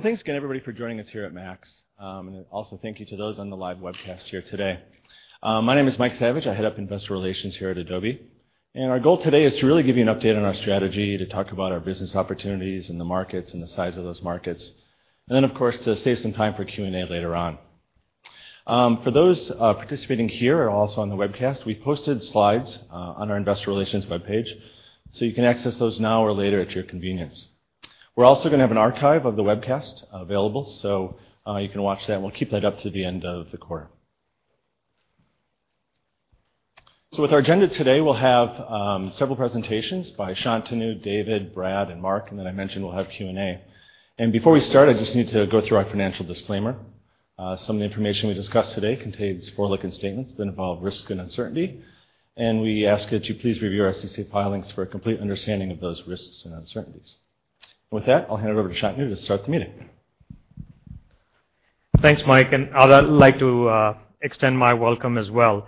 Thanks again everybody for joining us here at MAX. Also thank you to those on the live webcast here today. My name is Mike Savage. I head up investor relations here at Adobe. Our goal today is to really give you an update on our strategy, to talk about our business opportunities and the markets and the size of those markets. Then, of course, to save some time for Q&A later on. For those participating here, also on the webcast, we posted slides on our investor relations webpage, you can access those now or later at your convenience. We're also going to have an archive of the webcast available, you can watch that, we'll keep that up to the end of the quarter. With our agenda today, we'll have several presentations by Shantanu, David, Brad, and Mark. Then I mentioned we'll have Q&A. Before we start, I just need to go through our financial disclaimer. Some of the information we discuss today contains forward-looking statements that involve risk and uncertainty, we ask that you please review our SEC filings for a complete understanding of those risks and uncertainties. With that, I'll hand it over to Shantanu to start the meeting. Thanks, Mike. I'd like to extend my welcome as well.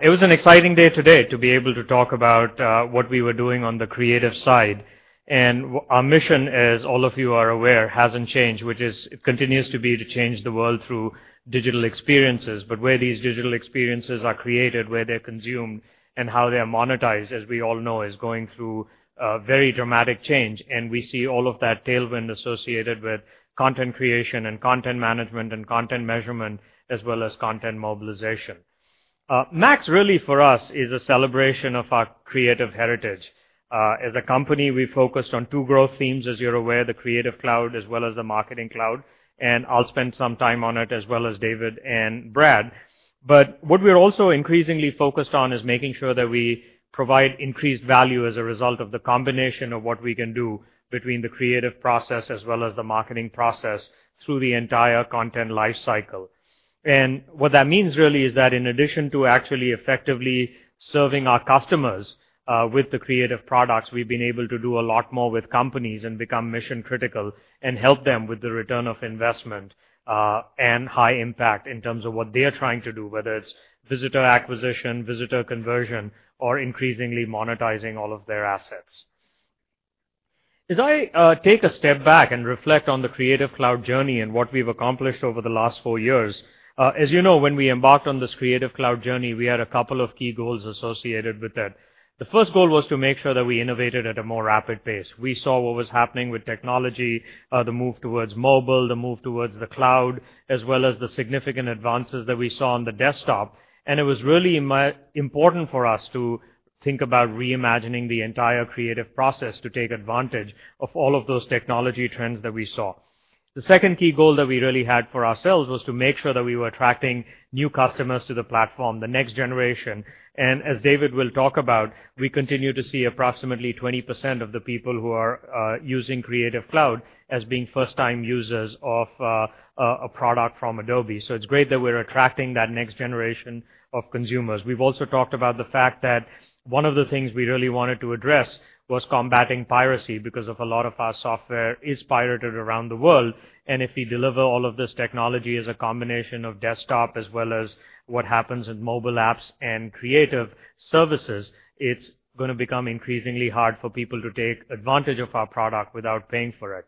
It was an exciting day today to be able to talk about what we were doing on the creative side. Our mission, as all of you are aware, hasn't changed, which continues to be to change the world through digital experiences. Where these digital experiences are created, where they're consumed, and how they're monetized, as we all know, is going through a very dramatic change, we see all of that tailwind associated with content creation and content management and content measurement, as well as content mobilization. MAX really for us is a celebration of our creative heritage. As a company, we focused on two growth themes, as you're aware, the Creative Cloud as well as the Marketing Cloud. I'll spend some time on it as well as David and Brad. What we're also increasingly focused on is making sure that we provide increased value as a result of the combination of what we can do between the creative process as well as the marketing process through the entire content life cycle. What that means really is that in addition to actually effectively serving our customers with the creative products, we've been able to do a lot more with companies and become mission critical and help them with the return on investment, high impact in terms of what they're trying to do, whether it's visitor acquisition, visitor conversion, or increasingly monetizing all of their assets. As I take a step back and reflect on the Creative Cloud journey and what we've accomplished over the last four years, as you know, when we embarked on this Creative Cloud journey, we had a couple of key goals associated with it. The first goal was to make sure that we innovated at a more rapid pace. We saw what was happening with technology, the move towards mobile, the move towards the cloud, as well as the significant advances that we saw on the desktop, it was really important for us to think about reimagining the entire creative process to take advantage of all of those technology trends that we saw. The second key goal that we really had for ourselves was to make sure that we were attracting new customers to the platform, the next generation. As David will talk about, we continue to see approximately 20% of the people who are using Creative Cloud as being first-time users of a product from Adobe. It's great that we're attracting that next generation of consumers. We've also talked about the fact that one of the things we really wanted to address was combating piracy because a lot of our software is pirated around the world, if we deliver all of this technology as a combination of desktop as well as what happens with mobile apps and creative services, it's going to become increasingly hard for people to take advantage of our product without paying for it.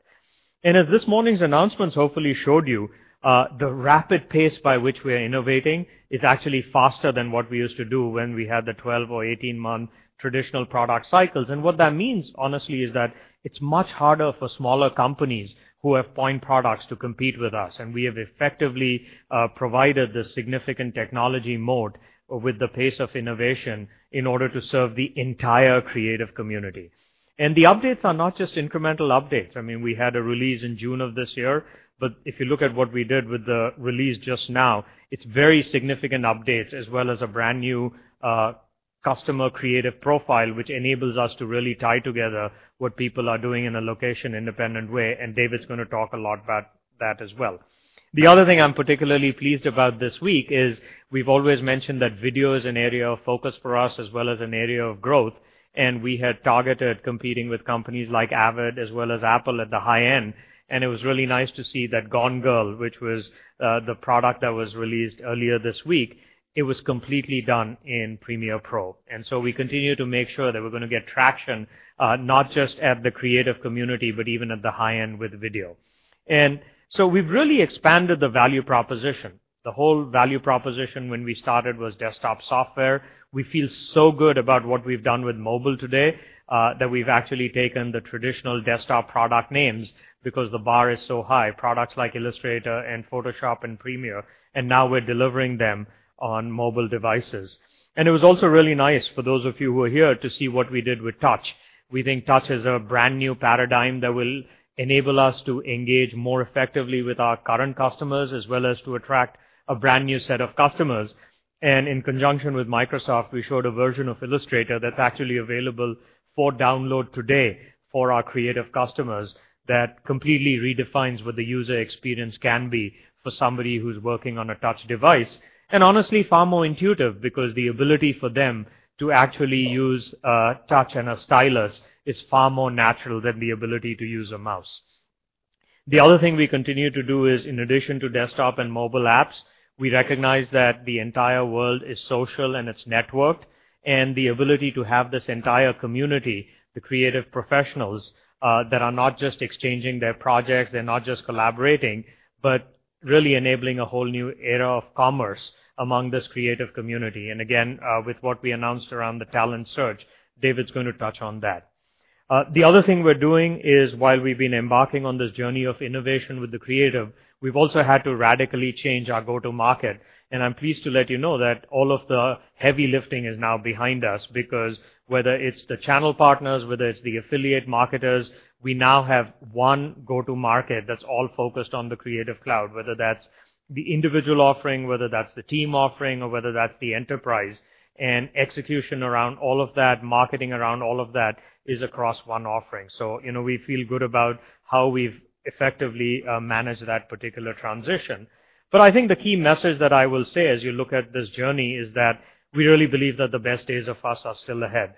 As this morning's announcements hopefully showed you, the rapid pace by which we're innovating is actually faster than what we used to do when we had the 12 or 18-month traditional product cycles. What that means, honestly, is that it's much harder for smaller companies who have point products to compete with us. We have effectively provided this significant technology moat with the pace of innovation in order to serve the entire creative community. The updates are not just incremental updates. I mean, we had a release in June of this year, but if you look at what we did with the release just now, it's very significant updates, as well as a brand-new customer Creative Profile, which enables us to really tie together what people are doing in a location-independent way. David's going to talk a lot about that as well. The other thing I'm particularly pleased about this week is we've always mentioned that video is an area of focus for us as well as an area of growth, we had targeted competing with companies like Avid as well as Apple at the high end, it was really nice to see that Gone Girl, which was the product that was released earlier this week, it was completely done in Premiere Pro. We continue to make sure that we're going to get traction, not just at the creative community, but even at the high end with video. We've really expanded the value proposition. The whole value proposition when we started was desktop software. We feel so good about what we've done with mobile today, that we've actually taken the traditional desktop product names because the bar is so high, products like Illustrator and Photoshop and Premiere, now we're delivering them on mobile devices. It was also really nice for those of you who are here to see what we did with touch. We think touch is a brand-new paradigm that will enable us to engage more effectively with our current customers, as well as to attract a brand-new set of customers. In conjunction with Microsoft, we showed a version of Illustrator that's actually available for download today for our creative customers that completely redefines what the user experience can be for somebody who's working on a touch device, and honestly, far more intuitive because the ability for them to actually use touch and a stylus is far more natural than the ability to use a mouse. The other thing we continue to do is in addition to desktop and mobile apps, we recognize that the entire world is social and it's networked, and the ability to have this entire community, the creative professionals, that are not just exchanging their projects, they're not just collaborating, but really enabling a whole new era of commerce among this creative community. Again, with what we announced around the Talent Search, David's going to touch on that. The other thing we're doing is while we've been embarking on this journey of innovation with the creative, we've also had to radically change our go-to-market. I'm pleased to let you know that all of the heavy lifting is now behind us because whether it's the channel partners, whether it's the affiliate marketers, we now have one go-to-market that's all focused on the Creative Cloud, whether that's the individual offering, whether that's the team offering or whether that's the enterprise. Execution around all of that, marketing around all of that is across one offering. We feel good about how we've effectively managed that particular transition. I think the key message that I will say as you look at this journey is that we really believe that the best days of us are still ahead.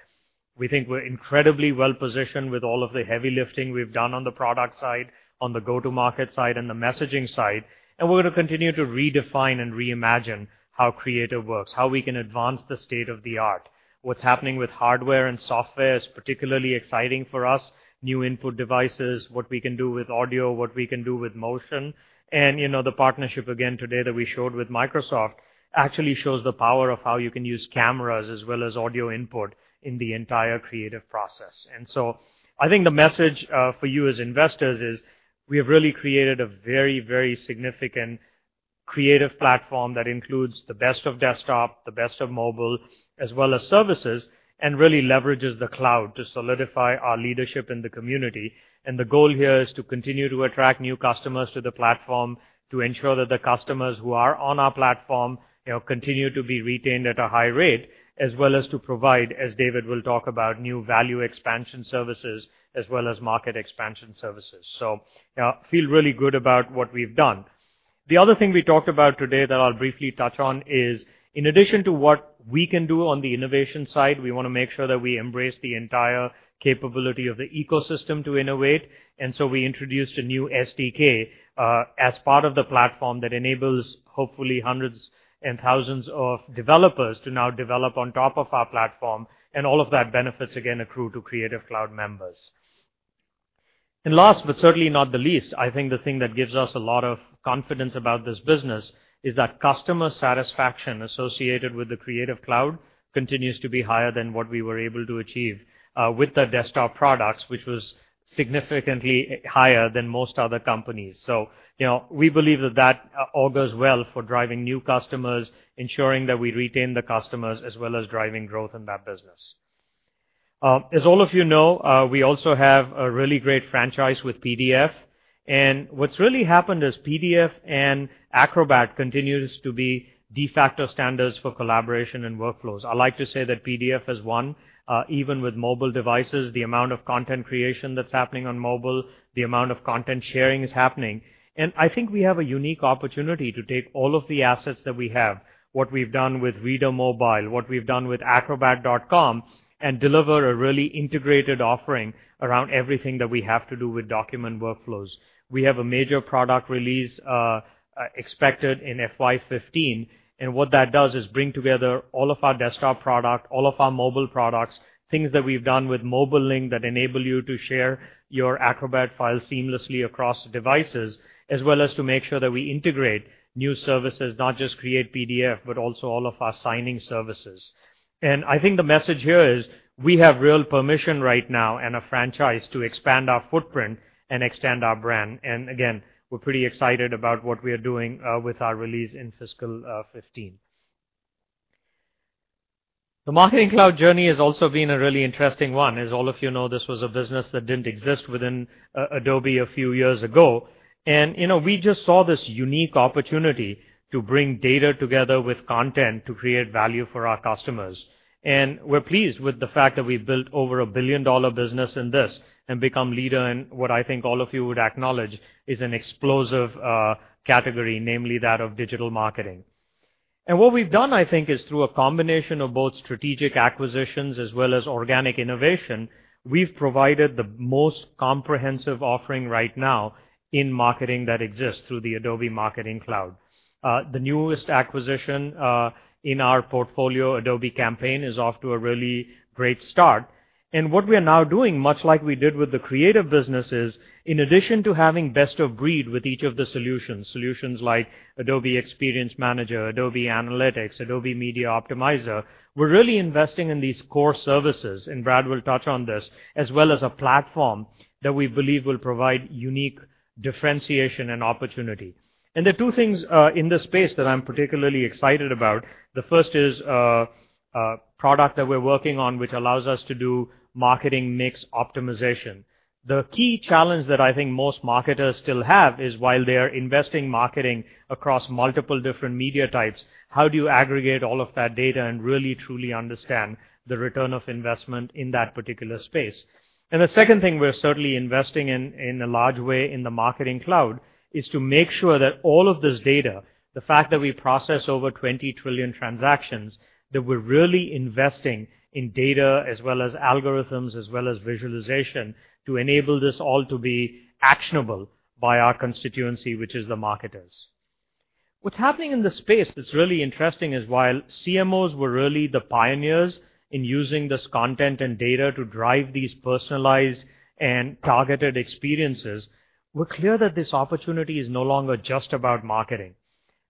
We think we're incredibly well-positioned with all of the heavy lifting we've done on the product side, on the go-to-market side, and the messaging side, we're going to continue to redefine and reimagine how creative works, how we can advance the state-of-the-art. What's happening with hardware and software is particularly exciting for us. New input devices, what we can do with audio, what we can do with motion. The partnership again today that we showed with Microsoft actually shows the power of how you can use cameras as well as audio input in the entire creative process. I think the message for you as investors is we have really created a very, very significant creative platform that includes the best of desktop, the best of mobile, as well as services, and really leverages the cloud to solidify our leadership in the community. The goal here is to continue to attract new customers to the platform, to ensure that the customers who are on our platform continue to be retained at a high rate, as well as to provide, as David will talk about, new value expansion services as well as market expansion services. We feel really good about what we've done. The other thing we talked about today that I'll briefly touch on is in addition to what we can do on the innovation side, we want to make sure that we embrace the entire capability of the ecosystem to innovate. We introduced a new SDK as part of the platform that enables hopefully hundreds and thousands of developers to now develop on top of our platform, and all of that benefits again accrue to Creative Cloud members. Last but certainly not the least, I think the thing that gives us a lot of confidence about this business is that customer satisfaction associated with the Creative Cloud continues to be higher than what we were able to achieve with the desktop products, which was significantly higher than most other companies. We believe that that all goes well for driving new customers, ensuring that we retain the customers as well as driving growth in that business. All of you know, we also have a really great franchise with PDF, and what's really happened is PDF and Acrobat continues to be de facto standards for collaboration and workflows. I like to say that PDF has won, even with mobile devices, the amount of content creation that's happening on mobile, the amount of content sharing is happening. I think we have a unique opportunity to take all of the assets that we have, what we've done with Reader Mobile, what we've done with Acrobat.com, and deliver a really integrated offering around everything that we have to do with document workflows. We have a major product release expected in FY 2015, and what that does is bring together all of our desktop product, all of our mobile products, things that we've done with Mobile Link that enable you to share your Acrobat file seamlessly across devices, as well as to make sure that we integrate new services, not just create PDF, but also all of our signing services. I think the message here is we have real permission right now and a franchise to expand our footprint and extend our brand. Again, we're pretty excited about what we are doing with our release in fiscal 2015. The Marketing Cloud journey has also been a really interesting one. All of you know, this was a business that didn't exist within Adobe a few years ago. We just saw this unique opportunity to bring data together with content to create value for our customers. We're pleased with the fact that we've built over a $1 billion-dollar business in this and become leader in what I think all of you would acknowledge is an explosive category, namely that of digital marketing. What we've done, I think, is through a combination of both strategic acquisitions as well as organic innovation, we've provided the most comprehensive offering right now in marketing that exists through the Adobe Marketing Cloud. The newest acquisition in our portfolio, Adobe Campaign, is off to a really great start. What we are now doing, much like we did with the creative business, is in addition to having best of breed with each of the solutions like Adobe Experience Manager, Adobe Analytics, Adobe Media Optimizer, we're really investing in these core services, and Brad will touch on this, as well as a platform that we believe will provide unique differentiation and opportunity. The two things in this space that I'm particularly excited about, the first is a product that we're working on which allows us to do marketing mix optimization. The key challenge that I think most marketers still have is while they are investing marketing across multiple different media types, how do you aggregate all of that data and really truly understand the return of investment in that particular space? The second thing we're certainly investing in a large way in the Marketing Cloud is to make sure that all of this data, the fact that we process over 20 trillion transactions, that we're really investing in data as well as algorithms as well as visualization to enable this all to be actionable by our constituency, which is the marketers. What's happening in the space that's really interesting is while CMOs were really the pioneers in using this content and data to drive these personalized and targeted experiences, we're clear that this opportunity is no longer just about marketing.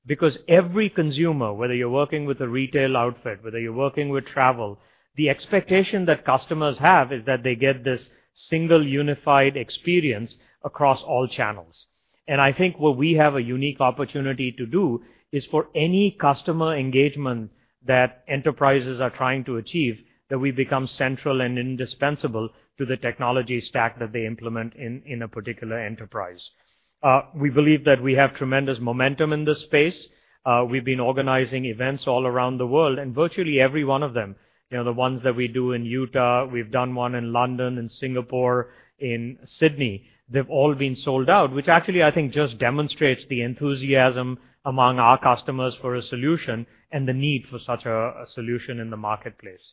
Because every consumer, whether you're working with a retail outfit, whether you're working with travel, the expectation that customers have is that they get this single unified experience across all channels. I think what we have a unique opportunity to do is for any customer engagement that enterprises are trying to achieve, that we become central and indispensable to the technology stack that they implement in a particular enterprise. We believe that we have tremendous momentum in this space. We've been organizing events all around the world, and virtually every one of them, the ones that we do in Utah, we've done one in London, in Singapore, in Sydney, they've all been sold out, which actually I think just demonstrates the enthusiasm among our customers for a solution and the need for such a solution in the marketplace.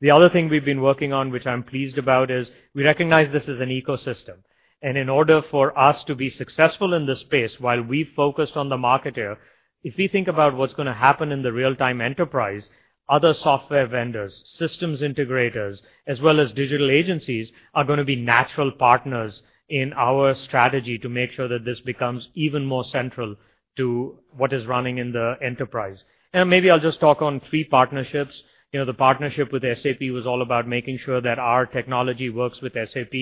The other thing we've been working on which I'm pleased about is we recognize this is an ecosystem. In order for us to be successful in this space while we focus on the marketer, if we think about what's going to happen in the real-time enterprise, other software vendors, systems integrators, as well as digital agencies, are going to be natural partners in our strategy to make sure that this becomes even more central to what is running in the enterprise. Maybe I'll just talk on three partnerships. The partnership with SAP was all about making sure that our technology works with SAP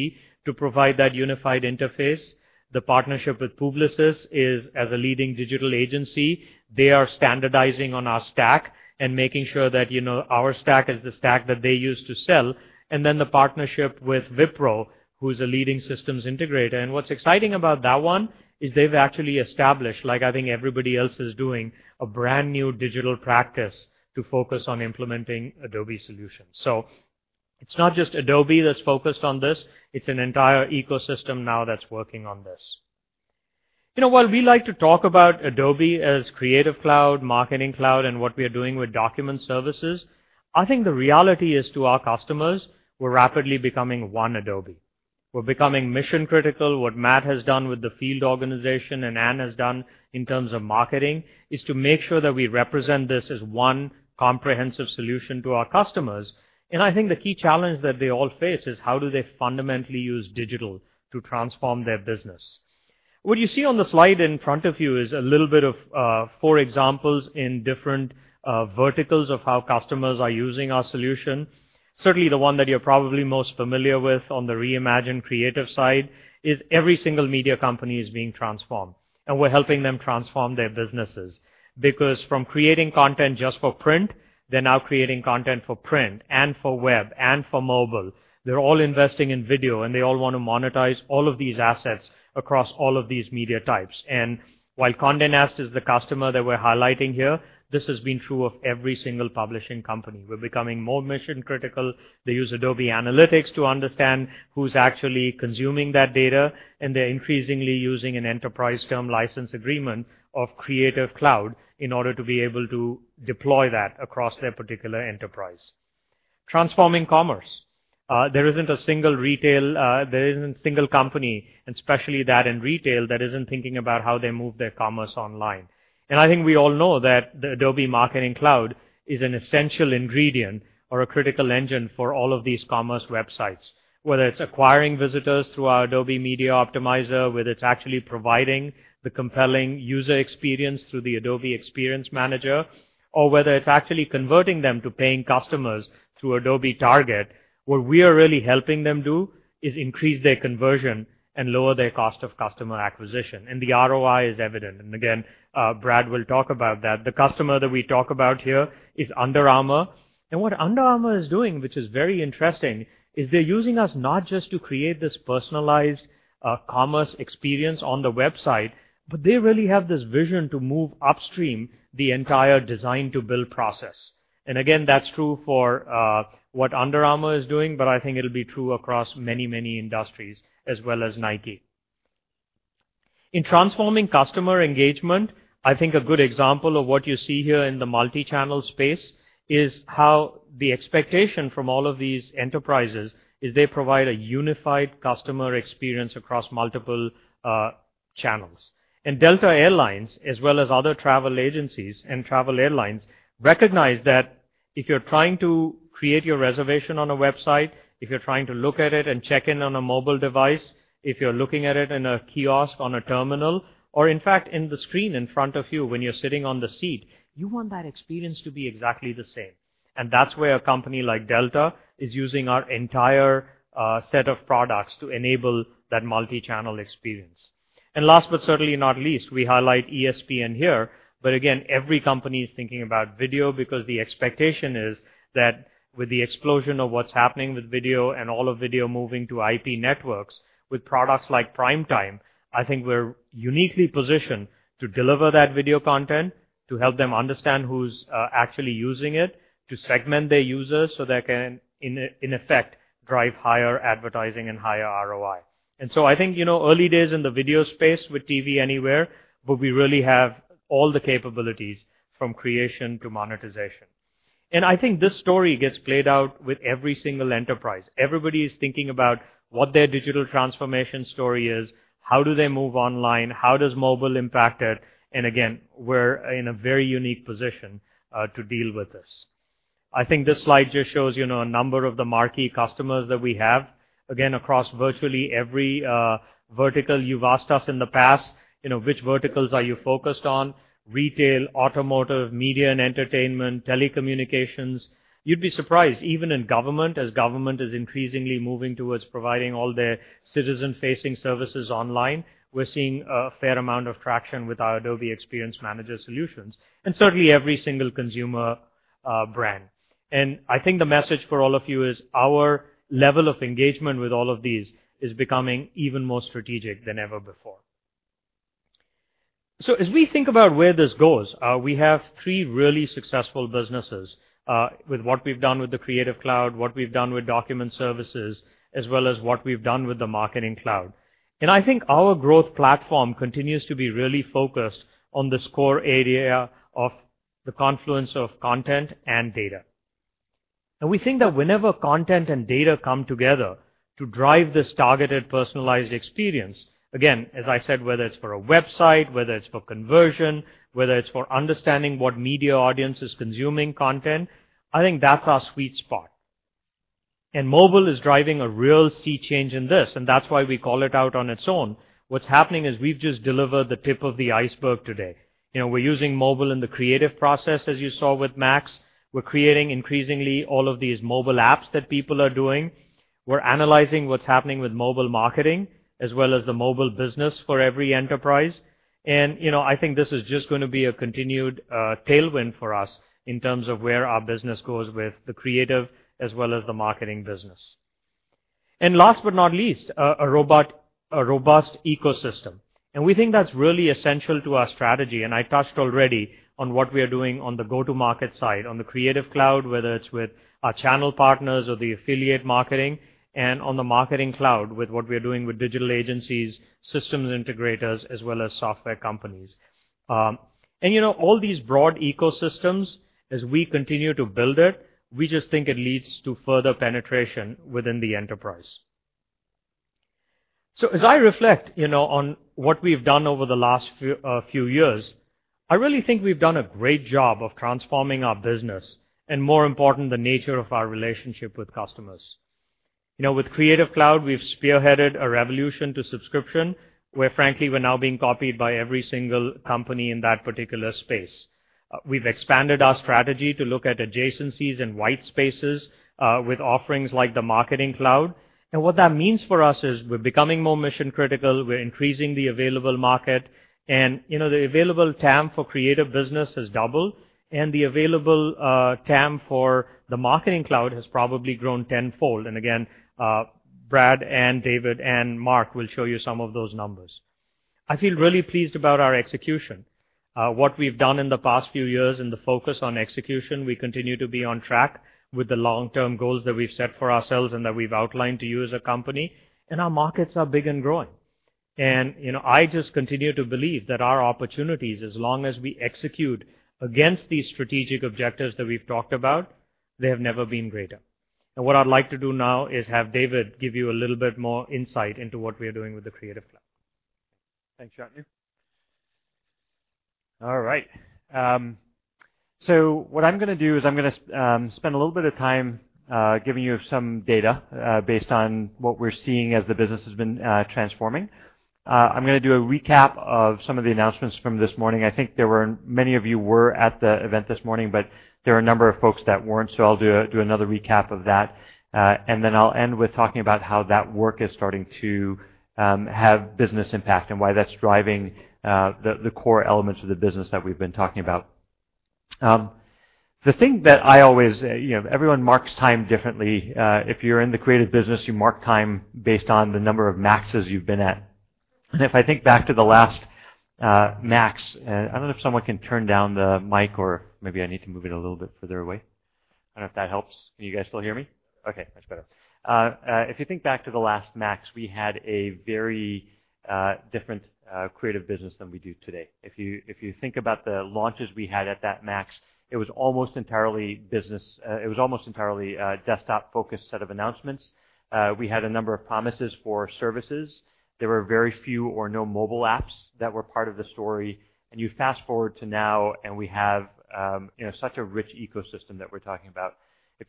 to provide that unified interface. The partnership with Publicis is as a leading digital agency, they are standardizing on our stack and making sure that our stack is the stack that they use to sell. Then the partnership with Wipro, who's a leading systems integrator, and what's exciting about that one is they've actually established, like I think everybody else is doing, a brand-new digital practice to focus on implementing Adobe solutions. It's not just Adobe that's focused on this. It's an entire ecosystem now that's working on this. While we like to talk about Adobe as Creative Cloud, Marketing Cloud, and what we are doing with document services, I think the reality is to our customers, we're rapidly becoming one Adobe. We're becoming mission-critical. What Matt has done with the field organization and Anne has done in terms of marketing is to make sure that we represent this as one comprehensive solution to our customers. I think the key challenge that they all face is how do they fundamentally use digital to transform their business. What you see on the slide in front of you is a little bit of four examples in different verticals of how customers are using our solution. Certainly, the one that you're probably most familiar with on the reimagined creative side is every single media company is being transformed, and we're helping them transform their businesses. Because from creating content just for print, they're now creating content for print and for web and for mobile. They're all investing in video, and they all want to monetize all of these assets across all of these media types. While Condé Nast is the customer that we're highlighting here, this has been true of every single publishing company. We're becoming more mission-critical. They use Adobe Analytics to understand who's actually consuming that data. They're increasingly using an Enterprise Term License Agreement of Creative Cloud in order to be able to deploy that across their particular enterprise. Transforming commerce. There isn't a single company, especially that in retail, that isn't thinking about how they move their commerce online. I think we all know that the Adobe Marketing Cloud is an essential ingredient or a critical engine for all of these commerce websites, whether it's acquiring visitors through our Adobe Media Optimizer, whether it's actually providing the compelling user experience through the Adobe Experience Manager, or whether it's actually converting them to paying customers through Adobe Target. What we are really helping them do is increase their conversion and lower their cost of customer acquisition. The ROI is evident. Again, Brad will talk about that. The customer that we talk about here is Under Armour. What Under Armour is doing, which is very interesting, is they're using us not just to create this personalized commerce experience on the website, but they really have this vision to move upstream the entire design-to-build process. Again, that's true for what Under Armour is doing, but I think it'll be true across many industries, as well as Nike. In transforming customer engagement, I think a good example of what you see here in the multi-channel space is how the expectation from all of these enterprises is they provide a unified customer experience across multiple channels. Delta Air Lines, as well as other travel agencies and travel airlines, recognize that if you're trying to create your reservation on a website, if you're trying to look at it and check in on a mobile device, if you're looking at it in a kiosk on a terminal, or in fact, in the screen in front of you when you're sitting on the seat, you want that experience to be exactly the same. That's where a company like Delta is using our entire set of products to enable that multi-channel experience. Last but certainly not least, we highlight ESPN here. Again, every company is thinking about video because the expectation is that with the explosion of what's happening with video and all of video moving to IP networks with products like Adobe Primetime, I think we're uniquely positioned to deliver that video content, to help them understand who's actually using it, to segment their users so they can, in effect, drive higher advertising and higher ROI. I think early days in the video space with TV Everywhere, we really have all the capabilities from creation to monetization. I think this story gets played out with every single enterprise. Everybody is thinking about what their digital transformation story is, how do they move online, how does mobile impact it, again, we're in a very unique position to deal with this. I think this slide just shows a number of the marquee customers that we have, again, across virtually every vertical you've asked us in the past, which verticals are you focused on, retail, automotive, media and entertainment, telecommunications. You'd be surprised, even in government, as government is increasingly moving towards providing all their citizen-facing services online, we're seeing a fair amount of traction with our Adobe Experience Manager solutions, and certainly every single consumer brand. I think the message for all of you is our level of engagement with all of these is becoming even more strategic than ever before. As we think about where this goes, we have three really successful businesses with what we've done with the Creative Cloud, what we've done with document services, as well as what we've done with the Marketing Cloud. I think our growth platform continues to be really focused on this core area of the confluence of content and data. We think that whenever content and data come together to drive this targeted, personalized experience, again, as I said, whether it's for a website, whether it's for conversion, whether it's for understanding what media audience is consuming content, I think that's our sweet spot. Mobile is driving a real sea change in this, and that's why we call it out on its own. What's happening is we've just delivered the tip of the iceberg today. We're using mobile in the creative process, as you saw with MAX. We're creating increasingly all of these mobile apps that people are doing. We're analyzing what's happening with mobile marketing as well as the mobile business for every enterprise. I think this is just going to be a continued tailwind for us in terms of where our business goes with the creative as well as the marketing business. Last but not least, a robust ecosystem. We think that's really essential to our strategy, and I touched already on what we are doing on the go-to-market side, on the Creative Cloud, whether it's with our channel partners or the affiliate marketing, on the Marketing Cloud with what we are doing with digital agencies, systems integrators, as well as software companies. All these broad ecosystems, as we continue to build it, we just think it leads to further penetration within the enterprise. As I reflect on what we've done over the last few years, I really think we've done a great job of transforming our business, and more important, the nature of our relationship with customers. With Creative Cloud, we've spearheaded a revolution to subscription, where frankly, we're now being copied by every single company in that particular space. We've expanded our strategy to look at adjacencies and white spaces with offerings like the Marketing Cloud. What that means for us is we're becoming more mission-critical. We're increasing the available market, and the available TAM for creative business has doubled, and the available TAM for the Marketing Cloud has probably grown tenfold. Again, Brad and David and Mark will show you some of those numbers. I feel really pleased about our execution. What we've done in the past few years and the focus on execution, we continue to be on track with the long-term goals that we've set for ourselves and that we've outlined to you as a company, and our markets are big and growing. I just continue to believe that our opportunities, as long as we execute against these strategic objectives that we've talked about, they have never been greater. What I'd like to do now is have David give you a little bit more insight into what we are doing with the Creative Cloud. Thanks, Shantanu. All right. What I'm going to do is I'm going to spend a little bit of time giving you some data based on what we're seeing as the business has been transforming. I'm going to do a recap of some of the announcements from this morning. I think many of you were at the event this morning, but there are a number of folks that weren't, so I'll do another recap of that. Then I'll end with talking about how that work is starting to have business impact and why that's driving the core elements of the business that we've been talking about. Everyone marks time differently. If you're in the creative business, you mark time based on the number of MAXes you've been at. If I think back to the last MAX, I don't know if someone can turn down the mic or maybe I need to move it a little bit further away. I don't know if that helps. Can you guys still hear me? Okay, that's better. If you think back to the last MAX, we had a very different creative business than we do today. If you think about the launches we had at that MAX, it was almost entirely a desktop-focused set of announcements. We had a number of promises for services. There were very few or no mobile apps that were part of the story. You fast-forward to now, and we have such a rich ecosystem that we're talking about. Now,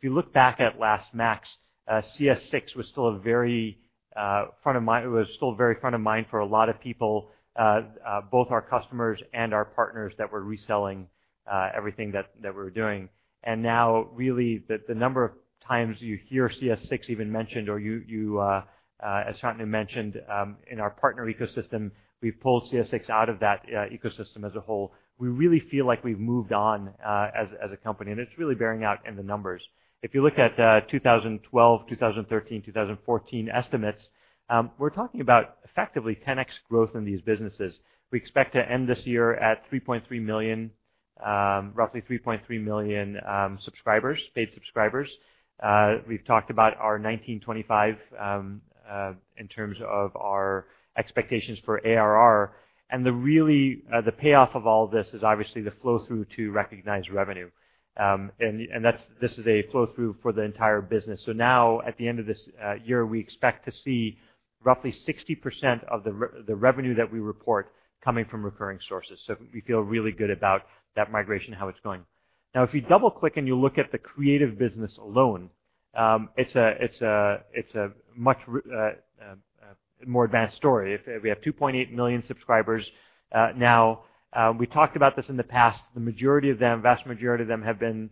really, the number of times you hear CS6 even mentioned, or as Shantanu mentioned, in our partner ecosystem, we've pulled CS6 out of that ecosystem as a whole. We really feel like we've moved on as a company, and it's really bearing out in the numbers. If you look at 2012, 2013, 2014 estimates, we're talking about effectively 10x growth in these businesses. We expect to end this year at roughly 3.3 million paid subscribers. We've talked about our $1.925 billion in terms of our expectations for ARR, and the payoff of all this is obviously the flow-through to recognized revenue. This is a flow-through for the entire business. Now at the end of this year, we expect to see roughly 60% of the revenue that we report coming from recurring sources. We feel really good about that migration, how it's going. Now, if you double-click and you look at the creative business alone, it's a much more advanced story. We have 2.8 million subscribers now. We talked about this in the past. The vast majority of them have been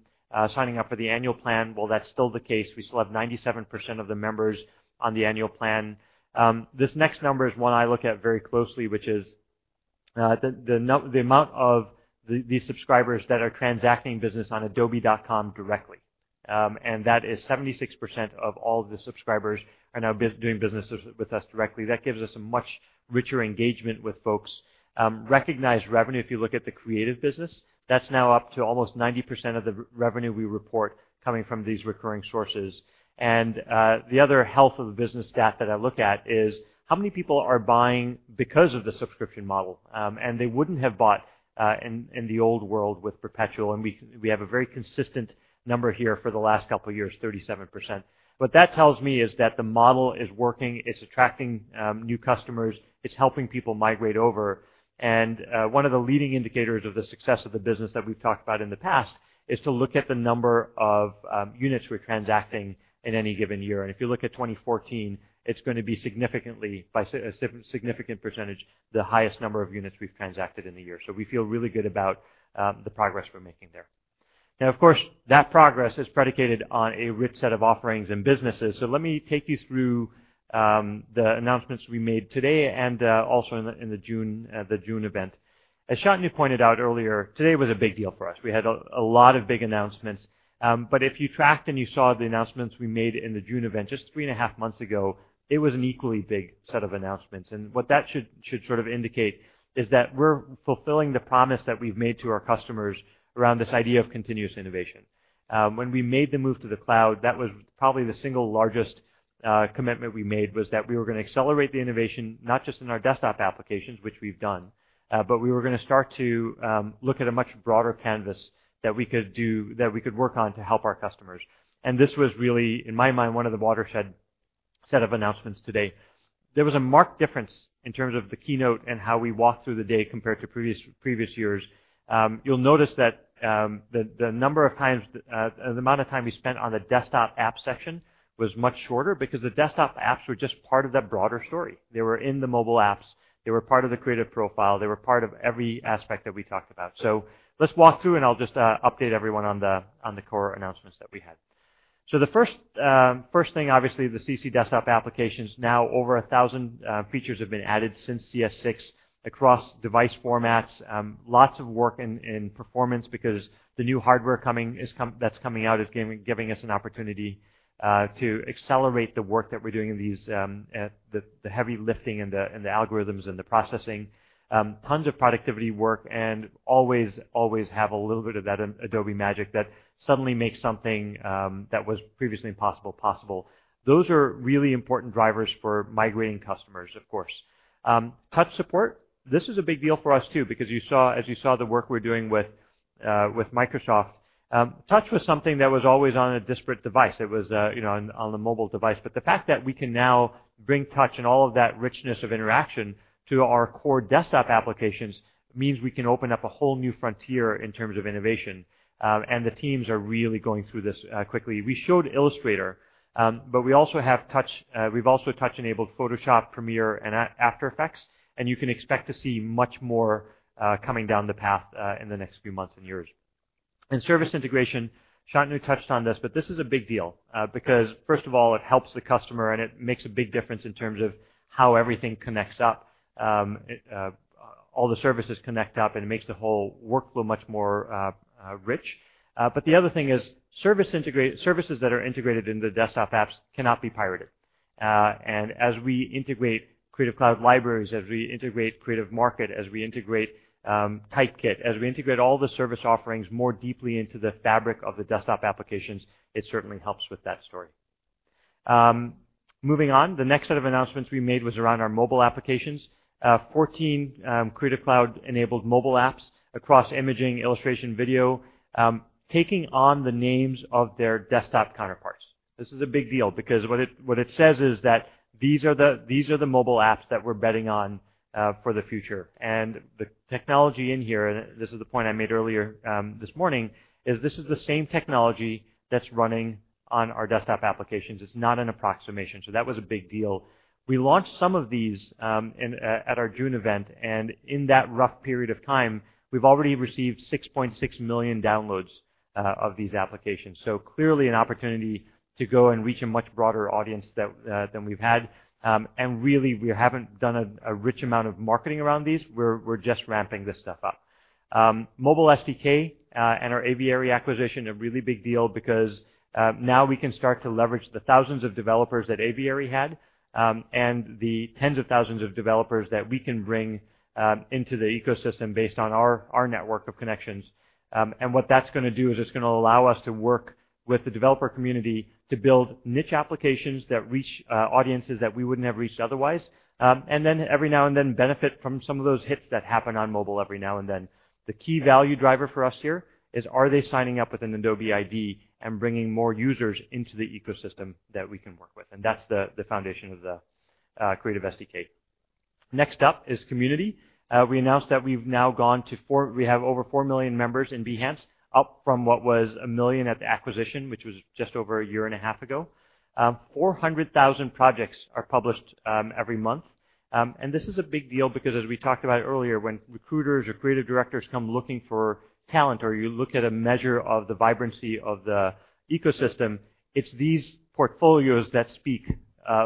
signing up for the annual plan. Well, that's still the case. We still have 97% of the members on the annual plan. This next number is one I look at very closely, which is the amount of these subscribers that are transacting business on adobe.com directly. That is 76% of all the subscribers are now doing business with us directly. That gives us a much richer engagement with folks. Recognized revenue, if you look at the creative business, that's now up to almost 90% of the revenue we report coming from these recurring sources. The other health of the business stat that I look at is how many people are buying because of the subscription model, and they wouldn't have bought in the old world with perpetual, and we have a very consistent number here for the last couple of years, 37%. What that tells me is that the model is working, it's attracting new customers, it's helping people migrate over, and one of the leading indicators of the success of the business that we've talked about in the past is to look at the number of units we're transacting in any given year. If you look at 2014, it's going to be by a significant percentage, the highest number of units we've transacted in a year. We feel really good about the progress we're making there. Now, of course, that progress is predicated on a rich set of offerings and businesses. Let me take you through the announcements we made today and also in the June event. As Shantanu pointed out earlier, today was a big deal for us. We had a lot of big announcements. What that should sort of indicate is that we're fulfilling the promise that we've made to our customers around this idea of continuous innovation. When we made the move to the cloud, that was probably the single largest commitment we made was that we were going to accelerate the innovation, not just in our desktop applications, which we have done, but we were going to start to look at a much broader canvas that we could work on to help our customers. This was really, in my mind, one of the watershed set of announcements today. There was a marked difference in terms of the keynote and how we walked through the day compared to previous years. You will notice that the amount of time we spent on the desktop app section was much shorter because the desktop apps were just part of that broader story. They were in the mobile apps. They were part of the Creative Profile. They were part of every aspect that we talked about. Let's walk through and I will just update everyone on the core announcements that we had. The first thing, obviously, the CC desktop applications. Now over 1,000 features have been added since CS6 across device formats. Lots of work in performance because the new hardware that is coming out is giving us an opportunity to accelerate the work that we are doing in the heavy lifting and the algorithms and the processing. Tons of productivity work and always have a little bit of that Adobe magic that suddenly makes something that was previously impossible, possible. Those are really important drivers for migrating customers, of course. Touch support, this is a big deal for us too, because as you saw the work we are doing with Microsoft. Touch was something that was always on a disparate device. It was on the mobile device. The fact that we can now bring touch and all of that richness of interaction to our core desktop applications means we can open up a whole new frontier in terms of innovation, and the teams are really going through this quickly. We showed Illustrator, but we have also touch-enabled Photoshop, Premiere, and After Effects, and you can expect to see much more coming down the path in the next few months and years. Service integration, Shantanu touched on this is a big deal because first of all, it helps the customer and it makes a big difference in terms of how everything connects up. All the services connect up and it makes the whole workflow much more rich. The other thing is services that are integrated into desktop apps cannot be pirated. As we integrate Creative Cloud Libraries, as we integrate Creative Market, as we integrate Typekit, as we integrate all the service offerings more deeply into the fabric of the desktop applications, it certainly helps with that story. Moving on, the next set of announcements we made was around our mobile applications. 14 Creative Cloud-enabled mobile apps across imaging, illustration, video, taking on the names of their desktop counterparts. This is a big deal because what it says is that these are the mobile apps that we are betting on for the future. The technology in here, this is the point I made earlier this morning, is this is the same technology that is running on our desktop applications. It is not an approximation. That was a big deal. We launched some of these at our June event, in that rough period of time, we've already received 6.6 million downloads of these applications. Clearly an opportunity to go and reach a much broader audience than we've had. Really, we haven't done a rich amount of marketing around these. We're just ramping this stuff up. Mobile SDK and our Aviary acquisition, a really big deal because now we can start to leverage the thousands of developers that Aviary had, the tens of thousands of developers that we can bring into the ecosystem based on our network of connections. What that's going to do is it's going to allow us to work with the developer community to build niche applications that reach audiences that we wouldn't have reached otherwise. Every now and then benefit from some of those hits that happen on mobile every now and then. The key value driver for us here is are they signing up with an Adobe ID and bringing more users into the ecosystem that we can work with? That's the foundation of the Creative SDK. Next up is community. We announced that we have over 4 million members in Behance, up from what was a million at the acquisition, which was just over a year and a half ago. 400,000 projects are published every month. This is a big deal because as we talked about earlier, when recruiters or creative directors come looking for talent or you look at a measure of the vibrancy of the ecosystem, it's these portfolios that speak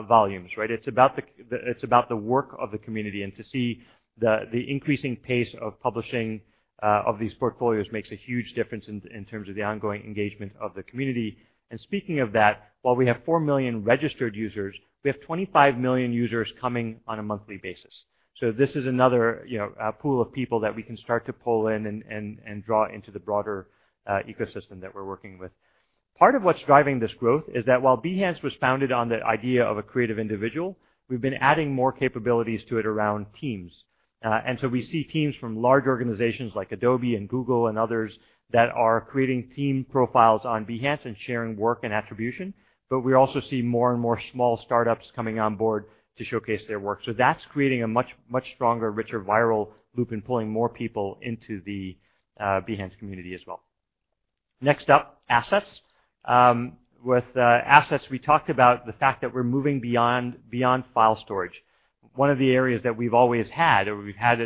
volumes, right? It's about the work of the community, to see the increasing pace of publishing of these portfolios makes a huge difference in terms of the ongoing engagement of the community. Speaking of that, while we have 4 million registered users, we have 25 million users coming on a monthly basis. This is another pool of people that we can start to pull in and draw into the broader ecosystem that we're working with. Part of what's driving this growth is that while Behance was founded on the idea of a creative individual, we've been adding more capabilities to it around teams. We see teams from large organizations like Adobe and Google and others that are creating team profiles on Behance and sharing work and attribution. We also see more and more small startups coming on board to showcase their work. That's creating a much stronger, richer viral loop and pulling more people into the Behance community as well. Next up, Assets. With Assets, we talked about the fact that we're moving beyond file storage. One of the areas that we've always had, or we've had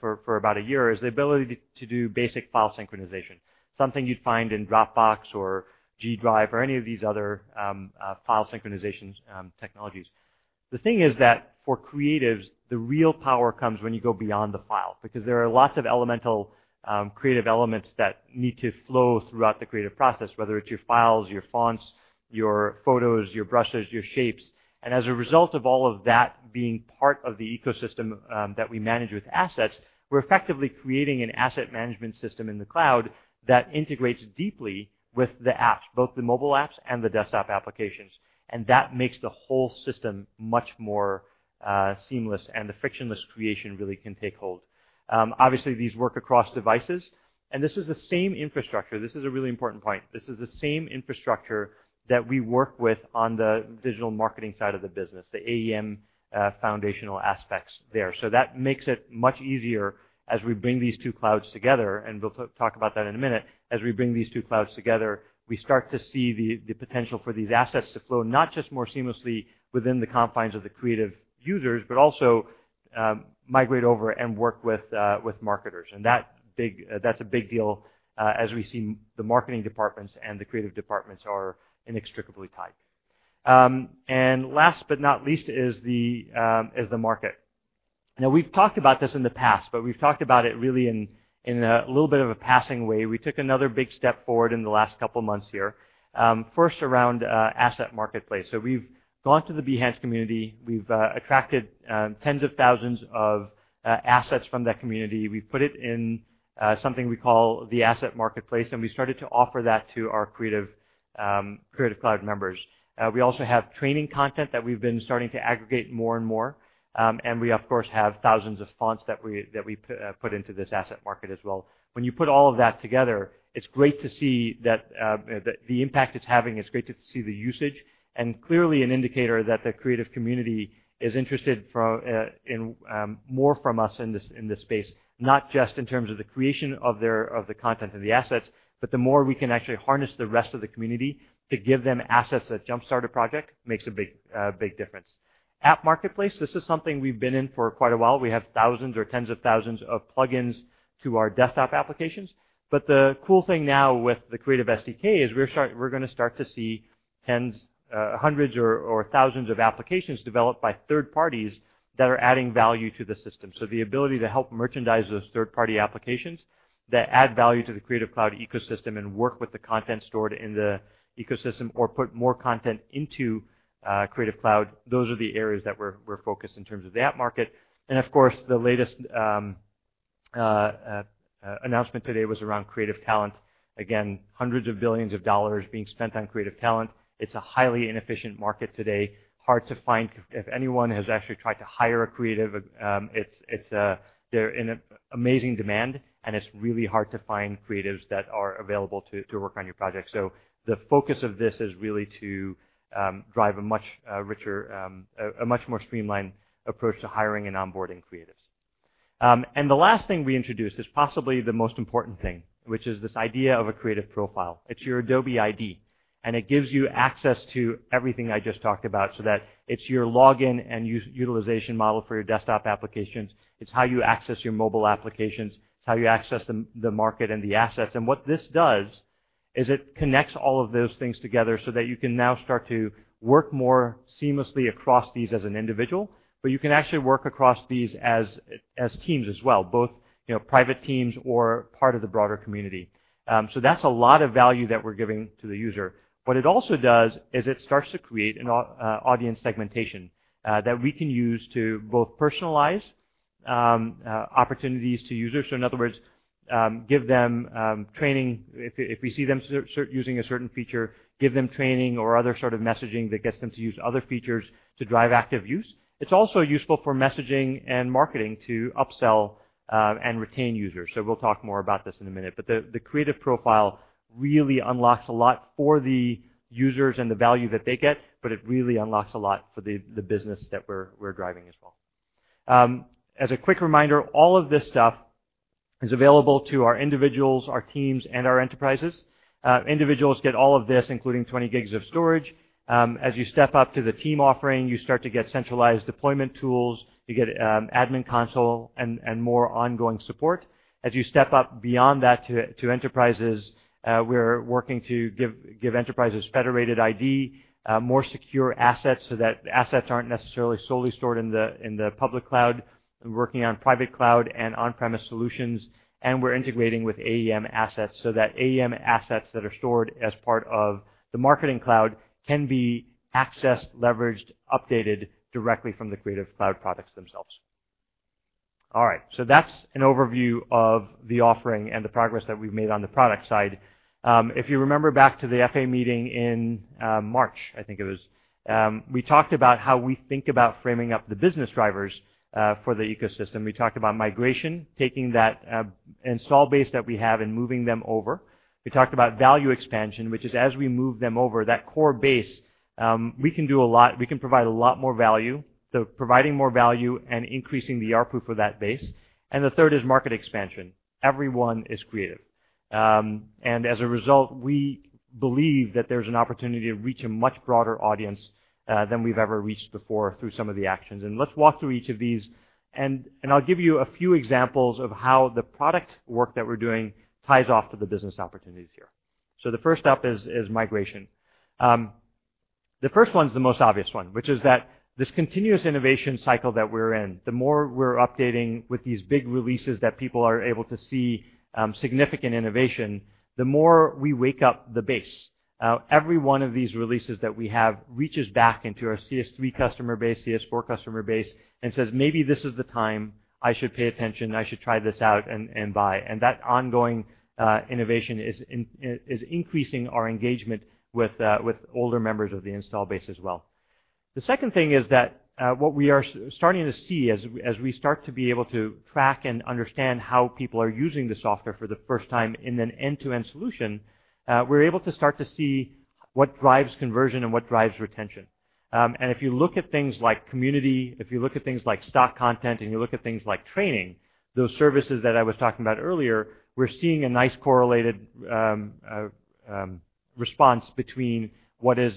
for about a year, is the ability to do basic file synchronization, something you'd find in Dropbox or Google Drive or any of these other file synchronization technologies. The thing is that for creatives, the real power comes when you go beyond the file, because there are lots of elemental creative elements that need to flow throughout the creative process, whether it's your files, your fonts, your photos, your brushes, your shapes. As a result of all of that being part of the ecosystem that we manage with Assets, we're effectively creating an asset management system in the cloud that integrates deeply with the apps, both the mobile apps and the desktop applications. That makes the whole system much more seamless and the frictionless creation really can take hold. These work across devices. This is the same infrastructure. This is a really important point. This is the same infrastructure that we work with on the digital marketing side of the business, the AEM foundational aspects there. That makes it much easier as we bring these two clouds together, and we'll talk about that in a minute. As we bring these two clouds together, we start to see the potential for these assets to flow, not just more seamlessly within the confines of the creative users, but also migrate over and work with marketers. That's a big deal as we see the marketing departments and the creative departments are inextricably tied. Last but not least is the market. We've talked about this in the past, but we've talked about it really in a little bit of a passing way. We took another big step forward in the last couple of months here. First around Asset Marketplace. We've gone to the Behance community. We've attracted tens of thousands of assets from that community. We've put it in something we call the Asset Marketplace, and we started to offer that to our Creative Cloud members. We also have training content that we've been starting to aggregate more and more. We of course have thousands of fonts that we put into this asset market as well. When you put all of that together, it's great to see the impact it's having. It's great to see the usage, and clearly an indicator that the creative community is interested in more from us in this space, not just in terms of the creation of the content and the assets, but the more we can actually harness the rest of the community to give them assets that jumpstart a project makes a big difference. App Marketplace, this is something we've been in for quite a while. We have thousands or tens of thousands of plugins to our desktop applications. The cool thing now with the Creative SDK is we're going to start to see hundreds or thousands of applications developed by third parties that are adding value to the system. The ability to help merchandise those third-party applications that add value to the Creative Cloud ecosystem and work with the content stored in the ecosystem or put more content into Creative Cloud, those are the areas that we're focused in terms of the app market. Of course, the latest announcement today was around creative talent. Again, hundreds of billions of dollars being spent on creative talent. It's a highly inefficient market today. Hard to find. If anyone has actually tried to hire a creative, they're in amazing demand, and it's really hard to find creatives that are available to work on your project. The focus of this is really to drive a much more streamlined approach to hiring and onboarding creatives. The last thing we introduced is possibly the most important thing, which is this idea of a Creative Profile. It's your Adobe ID, and it gives you access to everything I just talked about so that it's your login and utilization model for your desktop applications. It's how you access your mobile applications. It's how you access the market and the assets. What this does is it connects all of those things together so that you can now start to work more seamlessly across these as an individual. You can actually work across these as teams as well, both private teams or part of the broader community. That's a lot of value that we're giving to the user. What it also does is it starts to create an audience segmentation that we can use to both personalize opportunities to users. In other words, give them training. If we see them using a certain feature, give them training or other sort of messaging that gets them to use other features to drive active use. It's also useful for messaging and marketing to upsell and retain users. We'll talk more about this in a minute, but the Creative Profile really unlocks a lot for the users and the value that they get, but it really unlocks a lot for the business that we're driving as well. As a quick reminder, all of this stuff is available to our individuals, our teams, and our enterprises. Individuals get all of this, including 20 GB of storage. As you step up to the team offering, you start to get centralized deployment tools, you get admin console and more ongoing support. As you step up beyond that to enterprises, we're working to give enterprises federated ID, more secure assets so that assets aren't necessarily solely stored in the public cloud. We're working on private cloud and on-premise solutions, and we're integrating with AEM Assets so that AEM Assets that are stored as part of the Marketing Cloud can be accessed, leveraged, updated directly from the Creative Cloud products themselves. That's an overview of the offering and the progress that we've made on the product side. If you remember back to the FA meeting in March, I think it was, we talked about how we think about framing up the business drivers for the ecosystem. We talked about migration, taking that install base that we have and moving them over. We talked about value expansion, which is as we move them over, that core base, we can provide a lot more value. Providing more value and increasing the ARPU for that base. The third is market expansion. Everyone is creative. As a result, we believe that there's an opportunity to reach a much broader audience, than we've ever reached before through some of the actions. Let's walk through each of these, and I'll give you a few examples of how the product work that we're doing ties off to the business opportunities here. The first up is migration. The first one is the most obvious one, which is that this continuous innovation cycle that we're in, the more we're updating with these big releases that people are able to see significant innovation, the more we wake up the base. Every one of these releases that we have reaches back into our CS3 customer base, CS4 customer base, and says, "Maybe this is the time I should pay attention. I should try this out and buy." That ongoing innovation is increasing our engagement with older members of the install base as well. The second thing is that what we are starting to see as we start to be able to track and understand how people are using the software for the first time in an end-to-end solution, we're able to start to see what drives conversion and what drives retention. If you look at things like community, if you look at things like stock content, you look at things like training, those services that I was talking about earlier, we're seeing a nice correlated response between what is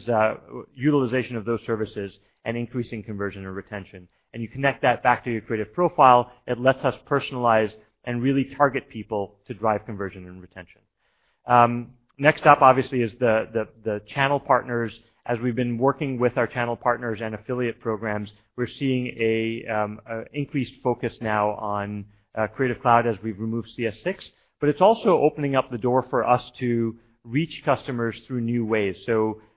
utilization of those services and increasing conversion or retention. You connect that back to your Creative Profile, it lets us personalize and really target people to drive conversion and retention. Next up, obviously, is the channel partners. As we've been working with our channel partners and affiliate programs, we're seeing an increased focus now on Creative Cloud as we've removed CS6, it's also opening up the door for us to reach customers through new ways.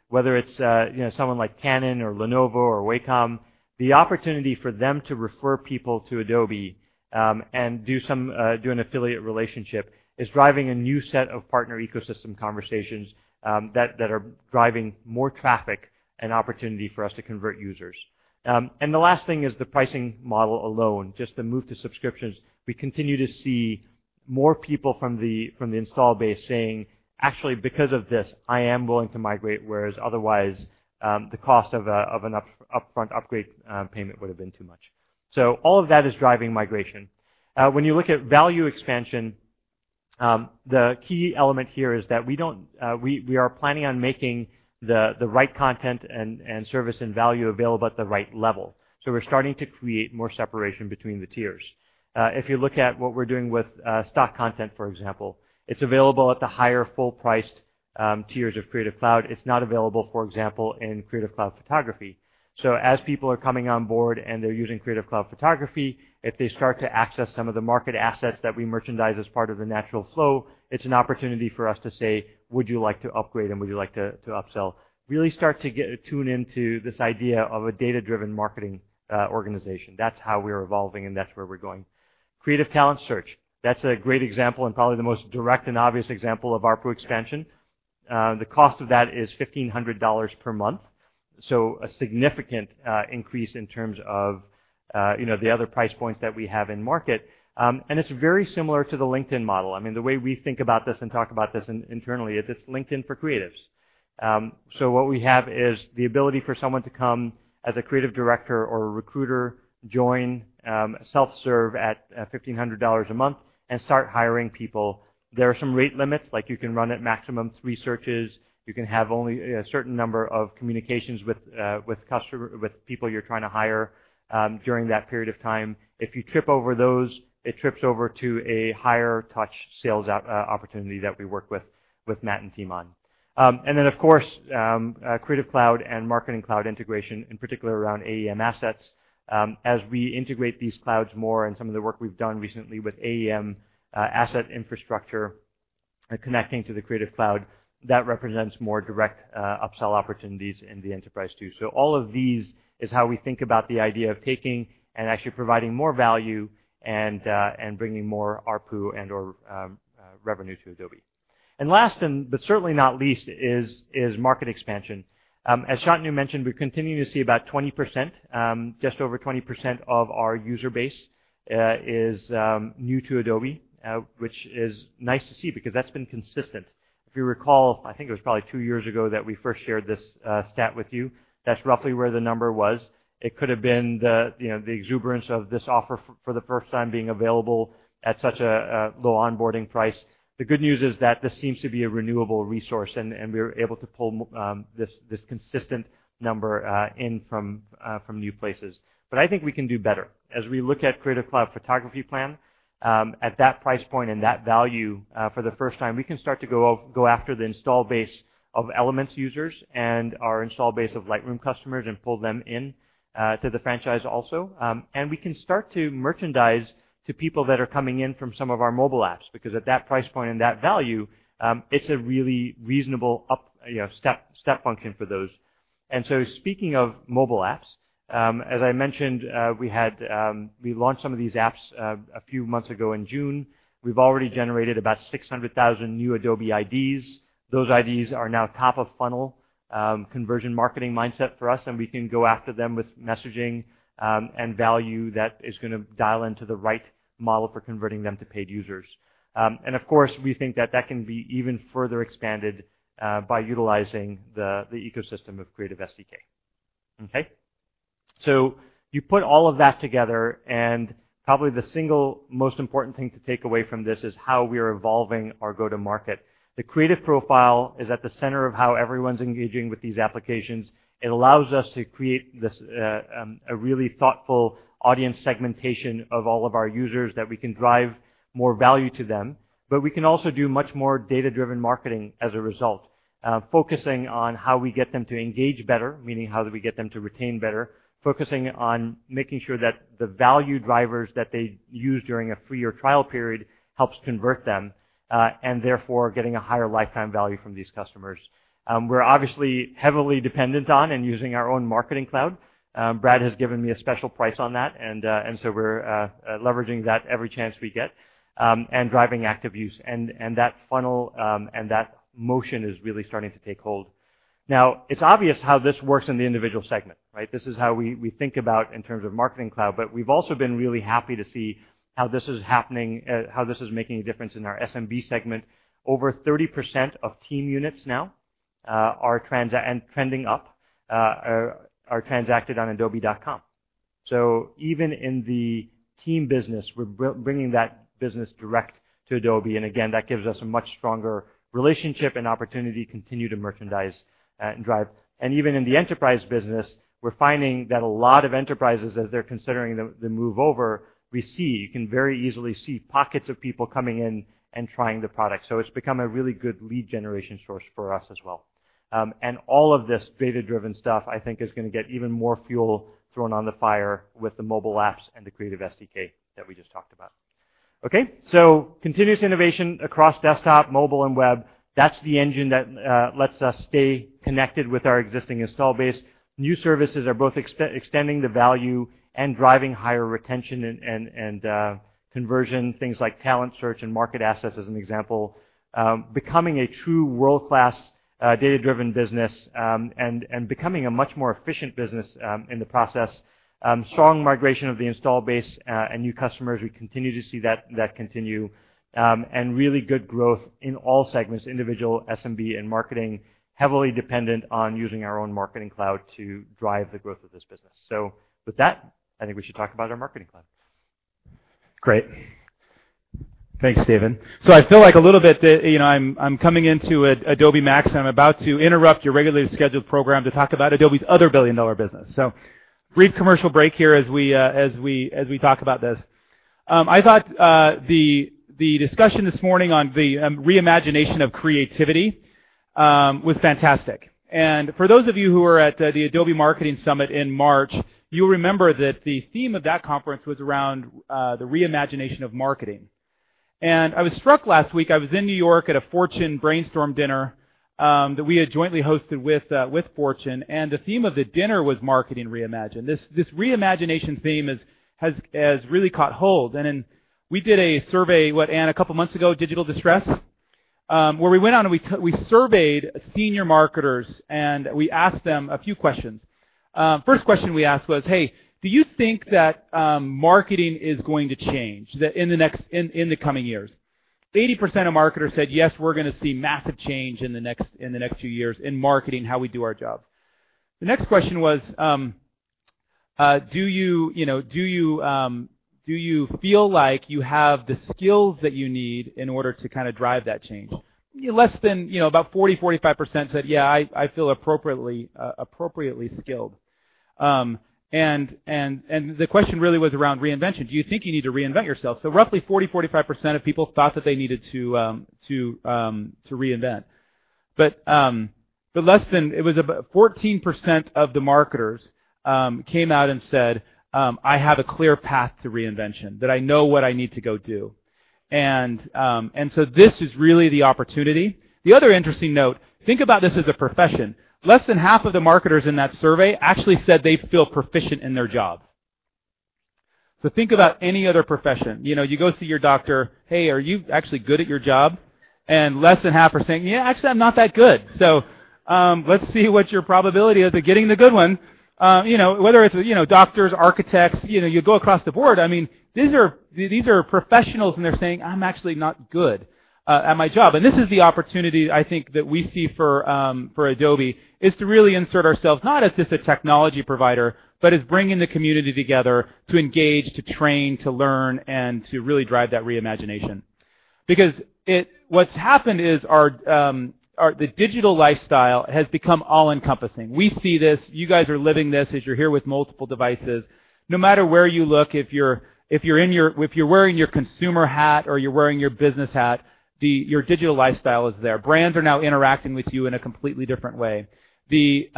Whether it's someone like Canon or Lenovo or Wacom, the opportunity for them to refer people to Adobe, do an affiliate relationship is driving a new set of partner ecosystem conversations that are driving more traffic and opportunity for us to convert users. The last thing is the pricing model alone, just the move to subscriptions. We continue to see more people from the install base saying, "Actually, because of this, I am willing to migrate," whereas otherwise, the cost of an upfront upgrade payment would've been too much. All of that is driving migration. You look at value expansion, the key element here is that we are planning on making the right content and service and value available at the right level. We're starting to create more separation between the tiers. If you look at what we're doing with stock content, for example, it's available at the higher full-priced tiers of Creative Cloud. It's not available, for example, in Creative Cloud Photography. As people are coming on board and they're using Creative Cloud Photography, if they start to access some of the market assets that we merchandise as part of the natural flow, it's an opportunity for us to say, "Would you like to upgrade and would you like to upsell?" Really start to tune into this idea of a data-driven marketing organization. That's how we're evolving, that's where we're going. Talent Search, that's a great example and probably the most direct and obvious example of ARPU expansion. The cost of that is $1,500 per month. A significant increase in terms of the other price points that we have in market. It's very similar to the LinkedIn model. The way we think about this and talk about this internally is it's LinkedIn for creatives. What we have is the ability for someone to come as a creative director or a recruiter, join self-serve at $1,500 a month and start hiring people. There are some rate limits, like you can run at maximum three searches. You can have only a certain number of communications with people you're trying to hire during that period of time. If you trip over those, it trips over to a higher touch sales opportunity that we work with Matt and team on. Then, of course, Creative Cloud and Marketing Cloud integration, in particular around AEM Assets. As we integrate these clouds more and some of the work we've done recently with AEM Assets infrastructure connecting to the Creative Cloud, that represents more direct upsell opportunities in the enterprise too. All of these is how we think about the idea of taking and actually providing more value and bringing more ARPU and/or revenue to Adobe. Last but certainly not least is market expansion. As Shantanu mentioned, we continue to see about 20%, just over 20% of our user base is new to Adobe, which is nice to see because that's been consistent. If you recall, I think it was probably two years ago that we first shared this stat with you. That's roughly where the number was. It could have been the exuberance of this offer for the first time being available at such a low onboarding price. The good news is that this seems to be a renewable resource, and we are able to pull this consistent number in from new places. I think we can do better. As we look at Creative Cloud Photography Plan, at that price point and that value for the first time, we can start to go after the install base of Elements users and our install base of Lightroom customers and pull them in to the franchise also. We can start to merchandise to people that are coming in from some of our mobile apps, because at that price point and that value, it's a really reasonable step function for those. Speaking of mobile apps, as I mentioned, we launched some of these apps a few months ago in June. We've already generated about 600,000 new Adobe IDs. Those IDs are now top-of-funnel conversion marketing mindset for us, and we can go after them with messaging and value that is going to dial into the right model for converting them to paid users. Of course, we think that that can be even further expanded by utilizing the ecosystem of Creative SDK. Okay? You put all of that together, and probably the single most important thing to take away from this is how we are evolving our go-to-market. The Creative Profile is at the center of how everyone's engaging with these applications. It allows us to create a really thoughtful audience segmentation of all of our users that we can drive more value to them, but we can also do much more data-driven marketing as a result. Focusing on how we get them to engage better, meaning how do we get them to retain better, focusing on making sure that the value drivers that they use during a three-year trial period helps convert them, therefore getting a higher lifetime value from these customers. We're obviously heavily dependent on and using our own Marketing Cloud. Brad has given me a special price on that, so we're leveraging that every chance we get, driving active use. That funnel and that motion is really starting to take hold. Now, it's obvious how this works in the individual segment, right? This is how we think about in terms of Marketing Cloud, we've also been really happy to see how this is making a difference in our SMB segment. Over 30% of team units now and trending up, are transacted on adobe.com. Even in the team business, we're bringing that business direct to Adobe, again, that gives us a much stronger relationship and opportunity to continue to merchandise and drive. Even in the enterprise business, we're finding that a lot of enterprises, as they're considering the move over, you can very easily see pockets of people coming in and trying the product. It's become a really good lead generation source for us as well. All of this data-driven stuff, I think, is going to get even more fuel thrown on the fire with the mobile apps and the Creative SDK that we just talked about. Okay? Continuous innovation across desktop, mobile, and web. That's the engine that lets us stay connected with our existing install base. New services are both extending the value and driving higher retention and conversion, things like Talent Search and market assets as an example. Becoming a true world-class, data-driven business, becoming a much more efficient business in the process. Strong migration of the install base and new customers, we continue to see that continue. Really good growth in all segments, individual, SMB, and marketing, heavily dependent on using our own Marketing Cloud to drive the growth of this business. With that, I think we should talk about our Marketing Cloud. Great. Thanks, David. I feel like a little bit that I'm coming into Adobe MAX, and I'm about to interrupt your regularly scheduled program to talk about Adobe's other billion-dollar business. Brief commercial break here as we talk about this. I thought the discussion this morning on the re-imagination of creativity was fantastic. For those of you who were at the Adobe Marketing Summit in March, you'll remember that the theme of that conference was around the re-imagination of marketing. I was struck last week, I was in New York at a Fortune brainstorm dinner that we had jointly hosted with Fortune, the theme of the dinner was marketing re-imagined. This re-imagination theme has really caught hold. We did a survey, what, Anne, a couple of months ago, Digital Distress? Where we went out and we surveyed senior marketers and we asked them a few questions. First question we asked was, "Hey, do you think that marketing is going to change in the coming years?" 80% of marketers said, "Yes, we're going to see massive change in the next few years in marketing, how we do our jobs." The next question was, "Do you feel like you have the skills that you need in order to kind of drive that change?" Less than about 40%-45% said, "Yeah, I feel appropriately skilled." The question really was around reinvention. Do you think you need to reinvent yourself? Roughly 40%-45% of people thought that they needed to reinvent. Less than about 14% of the marketers came out and said, "I have a clear path to reinvention, that I know what I need to go do." This is really the opportunity. The other interesting note, think about this as a profession. Less than half of the marketers in that survey actually said they feel proficient in their jobs. Think about any other profession. You go see your doctor, "Hey, are you actually good at your job?" Less than half are saying, "Yeah, actually, I'm not that good." Let's see what your probability is of getting the good one. Whether it's doctors, architects, you go across the board. These are professionals, and they're saying, "I'm actually not good at my job." This is the opportunity I think that we see for Adobe, is to really insert ourselves not as just a technology provider, but as bringing the community together to engage, to train, to learn, and to really drive that re-imagination. Because what's happened is the digital lifestyle has become all-encompassing. We see this, you guys are living this as you're here with multiple devices. No matter where you look, if you're wearing your consumer hat or you're wearing your business hat, your digital lifestyle is there. Brands are now interacting with you in a completely different way. The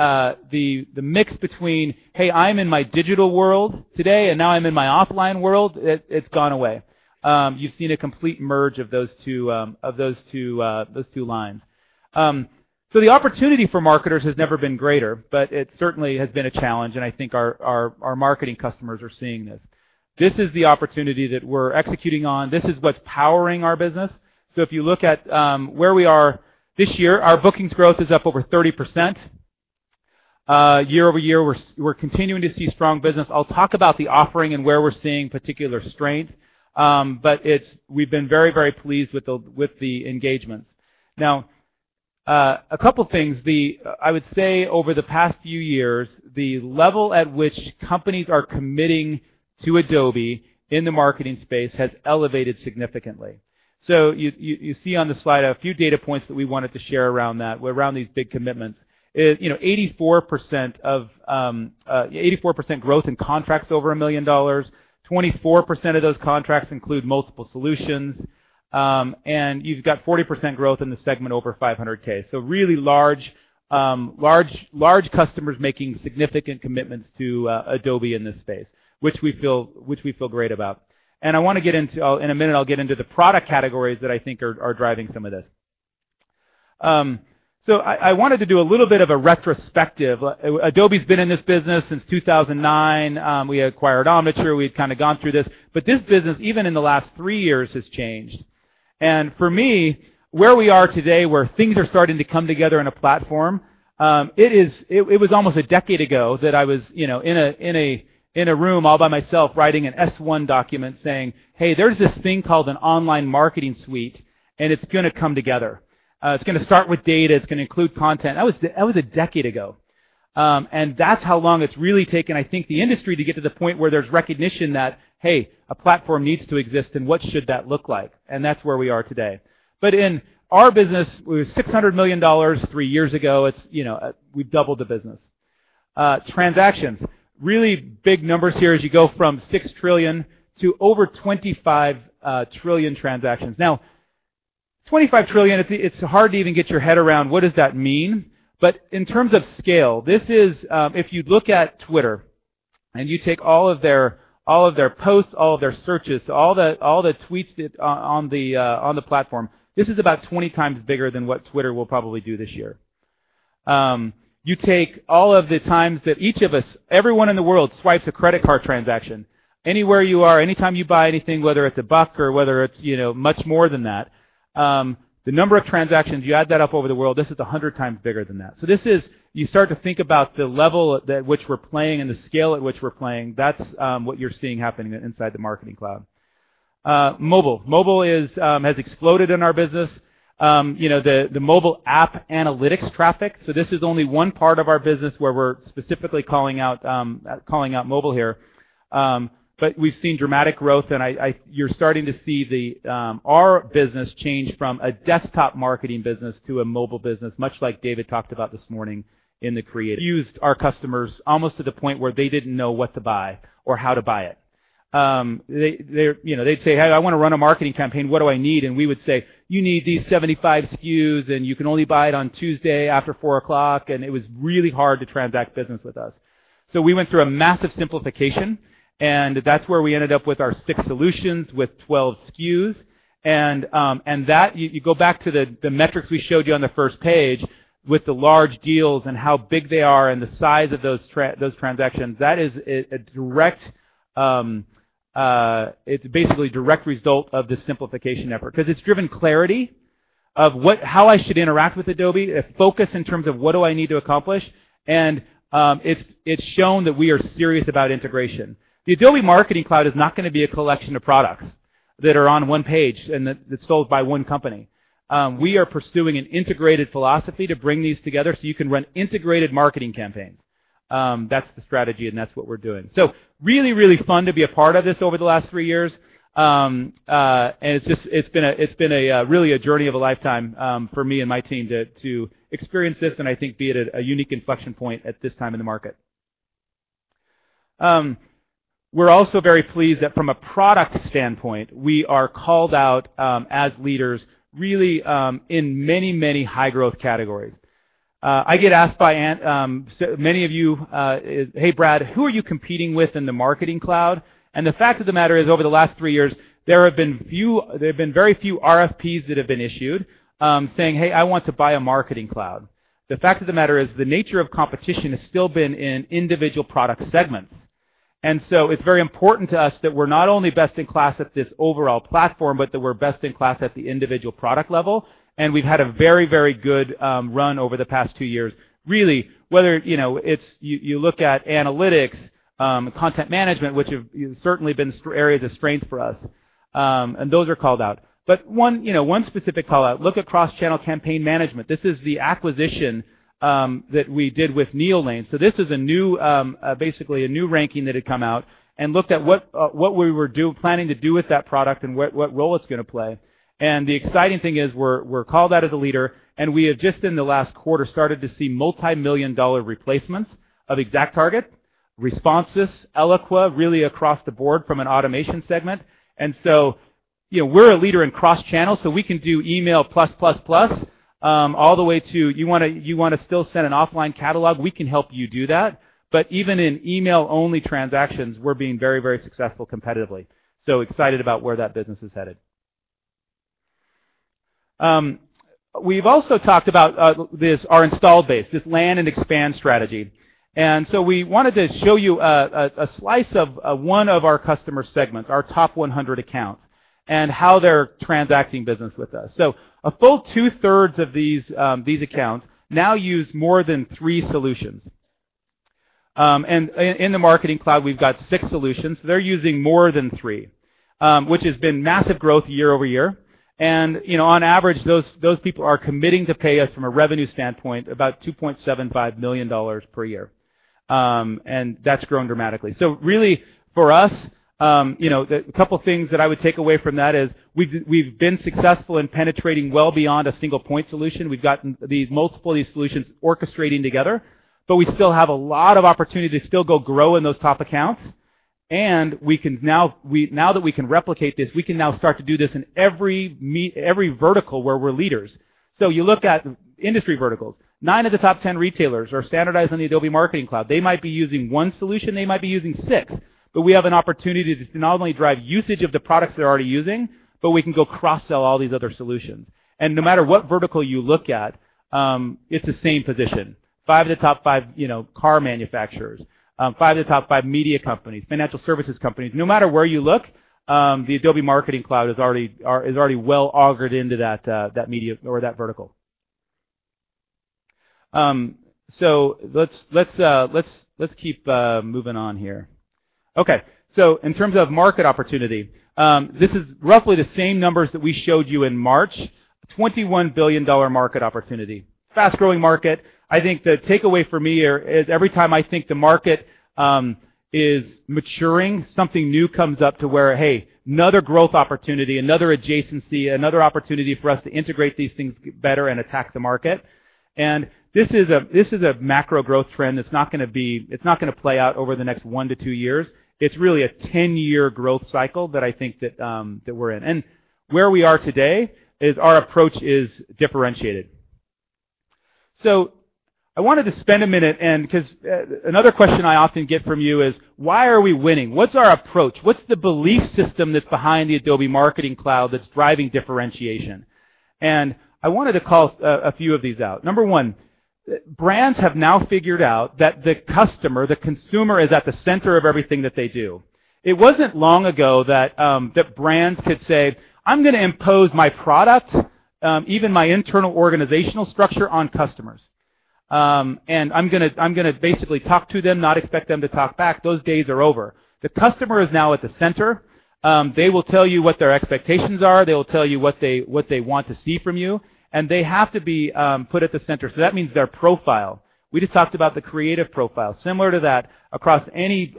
mix between, "Hey, I'm in my digital world today, and now I'm in my offline world," it's gone away. You've seen a complete merge of those two lines. The opportunity for marketers has never been greater, but it certainly has been a challenge, and I think our marketing customers are seeing this. This is the opportunity that we're executing on. This is what's powering our business. If you look at where we are this year, our bookings growth is up over 30%. Year-over-year, we're continuing to see strong business. I'll talk about the offering and where we're seeing particular strength. We've been very, very pleased with the engagements. Now, a couple things. I would say over the past few years, the level at which companies are committing to Adobe in the marketing space has elevated significantly. You see on the slide a few data points that we wanted to share around that, around these big commitments. 84% growth in contracts over $1 million. 24% of those contracts include multiple solutions. You've got 40% growth in the segment over $500K. Really large customers making significant commitments to Adobe in this space, which we feel great about. In a minute, I'll get into the product categories that I think are driving some of this. I wanted to do a little bit of a retrospective. Adobe's been in this business since 2009. We acquired Omniture, we've kind of gone through this. This business, even in the last three years, has changed. For me, where we are today, where things are starting to come together in a platform, it was almost a decade ago that I was in a room all by myself writing an S1 document saying, "Hey, there's this thing called an online marketing suite, and it's going to come together. It's going to start with data. It's going to include content." That was a decade ago. That's how long it's really taken, I think, the industry to get to the point where there's recognition that, hey, a platform needs to exist, and what should that look like? That's where we are today. In our business, it was $600 million three years ago. We've doubled the business. Transactions. Really big numbers here as you go from 6 trillion to over 25 trillion transactions. 25 trillion, it's hard to even get your head around what does that mean? In terms of scale, if you look at Twitter and you take all of their posts, all of their searches, all the tweets on the platform, this is about 20 times bigger than what Twitter will probably do this year. You take all of the times that each of us, everyone in the world, swipes a credit card transaction. Anywhere you are, anytime you buy anything, whether it's a buck or whether it's much more than that, the number of transactions, you add that up over the world, this is 100 times bigger than that. You start to think about the level at which we're playing and the scale at which we're playing, that's what you're seeing happening inside the Marketing Cloud. Mobile. Mobile has exploded in our business. The mobile app analytics traffic, this is only one part of our business where we're specifically calling out mobile here. We've seen dramatic growth, and you're starting to see our business change from a desktop marketing business to a mobile business, much like David talked about this morning in the Create. We used our customers almost to the point where they didn't know what to buy or how to buy it. They'd say, "Hey, I want to run a marketing campaign. What do I need?" We would say, "You need these 75 SKUs, and you can only buy it on Tuesday after 4:00." It was really hard to transact business with us. We went through a massive simplification, and that's where we ended up with our six solutions with 12 SKUs. You go back to the metrics we showed you on the first page with the large deals and how big they are and the size of those transactions, it's basically a direct result of this simplification effort because it's driven clarity of how I should interact with Adobe, a focus in terms of what do I need to accomplish, and it's shown that we are serious about integration. The Adobe Marketing Cloud is not going to be a collection of products that are on one page and that is sold by one company. We are pursuing an integrated philosophy to bring these together so you can run integrated marketing campaigns. That is the strategy, and that is what we are doing. Really, really fun to be a part of this over the last three years. It has been really a journey of a lifetime for me and my team to experience this and I think be at a unique inflection point at this time in the market. We are also very pleased that from a product standpoint, we are called out as leaders really in many high-growth categories. I get asked by many of you, "Hey, Brad, who are you competing with in the Marketing Cloud?" The fact of the matter is, over the last three years, there have been very few RFPs that have been issued saying, "Hey, I want to buy a Marketing Cloud." The fact of the matter is the nature of competition has still been in individual product segments. It is very important to us that we are not only best in class at this overall platform, but that we are best in class at the individual product level, and we have had a very good run over the past two years, really, whether you look at analytics, content management, which have certainly been areas of strength for us, and those are called out. One specific call-out, look at cross-channel campaign management. This is the acquisition that we did with Neolane. This is basically a new ranking that had come out and looked at what we were planning to do with that product and what role it is going to play. The exciting thing is we are called out as a leader, and we have just in the last quarter started to see multi-million dollar replacements of ExactTarget, Responsys, Eloqua, really across the board from an automation segment. We are a leader in cross-channel, so we can do email plus plus plus, all the way to you want to still send an offline catalog, we can help you do that. Even in email-only transactions, we are being very successful competitively. Excited about where that business is headed. We have also talked about our install base, this land and expand strategy. We wanted to show you a slice of one of our customer segments, our top 100 accounts, and how they are transacting business with us. A full two-thirds of these accounts now use more than three solutions. In the Marketing Cloud, we have got six solutions. They are using more than three, which has been massive growth year-over-year. On average, those people are committing to pay us from a revenue standpoint about $2.75 million per year. That has grown dramatically. Really for us, the couple things that I would take away from that is we have been successful in penetrating well beyond a single point solution. We have gotten these multiple solutions orchestrating together, but we still have a lot of opportunity to still go grow in those top accounts. Now that we can replicate this, we can now start to do this in every vertical where we're leaders. You look at industry verticals, nine of the top 10 retailers are standardized on the Adobe Marketing Cloud. They might be using one solution, they might be using six. We have an opportunity to not only drive usage of the products they're already using, but we can go cross-sell all these other solutions. No matter what vertical you look at, it's the same position. Five of the top five car manufacturers, five of the top five media companies, financial services companies, no matter where you look, the Adobe Marketing Cloud is already well augered into that media or that vertical. Let's keep moving on here. Okay. In terms of market opportunity, this is roughly the same numbers that we showed you in March, $21 billion market opportunity. Fast-growing market. I think the takeaway for me here is every time I think the market is maturing, something new comes up to where, hey, another growth opportunity, another adjacency, another opportunity for us to integrate these things better and attack the market. This is a macro growth trend that's not going to play out over the next one to two years. It's really a 10-year growth cycle that I think that we're in. Where we are today is our approach is differentiated. I wanted to spend a minute because another question I often get from you is, why are we winning? What's our approach? What's the belief system that's behind the Adobe Marketing Cloud that's driving differentiation? I wanted to call a few of these out. Number one, brands have now figured out that the customer, the consumer, is at the center of everything that they do. It wasn't long ago that brands could say, "I'm going to impose my product, even my internal organizational structure on customers. I'm going to basically talk to them, not expect them to talk back." Those days are over. The customer is now at the center. They will tell you what their expectations are. They will tell you what they want to see from you, and they have to be put at the center. That means their profile. We just talked about the Creative Profile. Similar to that, across any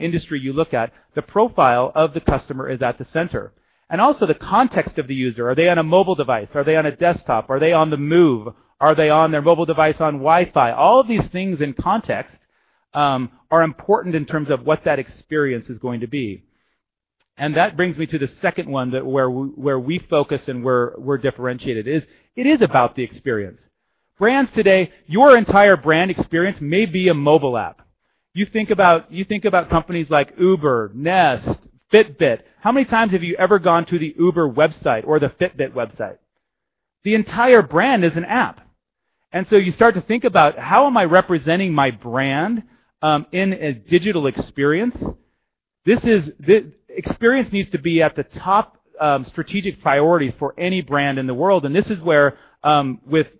industry you look at, the profile of the customer is at the center. Also the context of the user. Are they on a mobile device? Are they on a desktop? Are they on the move? Are they on their mobile device on Wi-Fi? All of these things in context are important in terms of what that experience is going to be. That brings me to the second one where we focus and we're differentiated is, it is about the experience. Brands today, your entire brand experience may be a mobile app. You think about companies like Uber, Nest, Fitbit. How many times have you ever gone to the uber website or the fitbit website? The entire brand is an app. You start to think about how am I representing my brand in a digital experience? Experience needs to be at the top strategic priority for any brand in the world. This is where,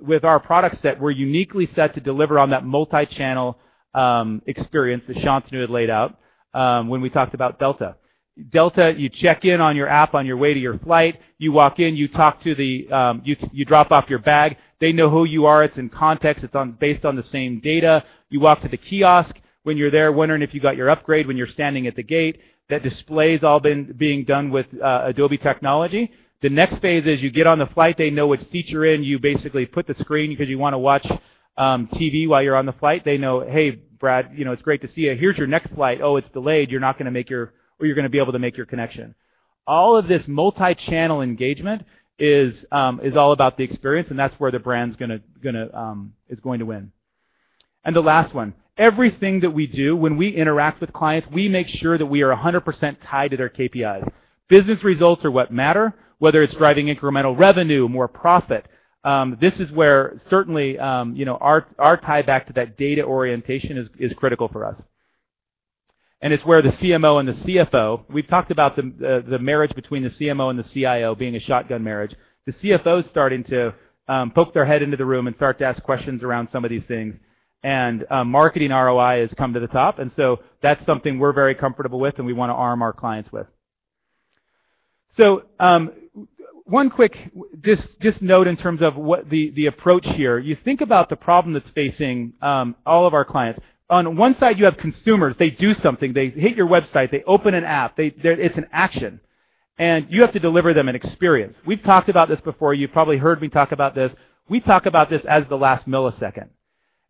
with our product set, we're uniquely set to deliver on that multi-channel experience that Shantanu had laid out when we talked about Delta. Delta, you check in on your app on your way to your flight. You walk in, you drop off your bag. They know who you are. It's in context. It's based on the same data. You walk to the kiosk. When you're there wondering if you got your upgrade, when you're standing at the gate, that display's all being done with Adobe technology. The next phase is you get on the flight, they know which seat you're in. You basically put the screen because you want to watch TV while you're on the flight. They know, "Hey, Brad, it's great to see you. Here's your next flight. It's delayed. You're going to be able to make your connection." All of this multi-channel engagement is all about the experience. That's where the brand's going to win. The last one, everything that we do when we interact with clients, we make sure that we are 100% tied to their KPIs. Business results are what matter, whether it's driving incremental revenue, more profit. This is where certainly our tieback to that data orientation is critical for us. It's where the CMO and the CFO, we've talked about the marriage between the CMO and the CIO being a shotgun marriage. The CFO's starting to poke their head into the room and start to ask questions around some of these things. Marketing ROI has come to the top. That's something we're very comfortable with and we want to arm our clients with. One quick just note in terms of what the approach here. You think about the problem that's facing all of our clients. On one side, you have consumers. They do something. They hit your website. They open an app. It's an action. You have to deliver them an experience. We've talked about this before. You probably heard me talk about this. We talk about this as the last millisecond.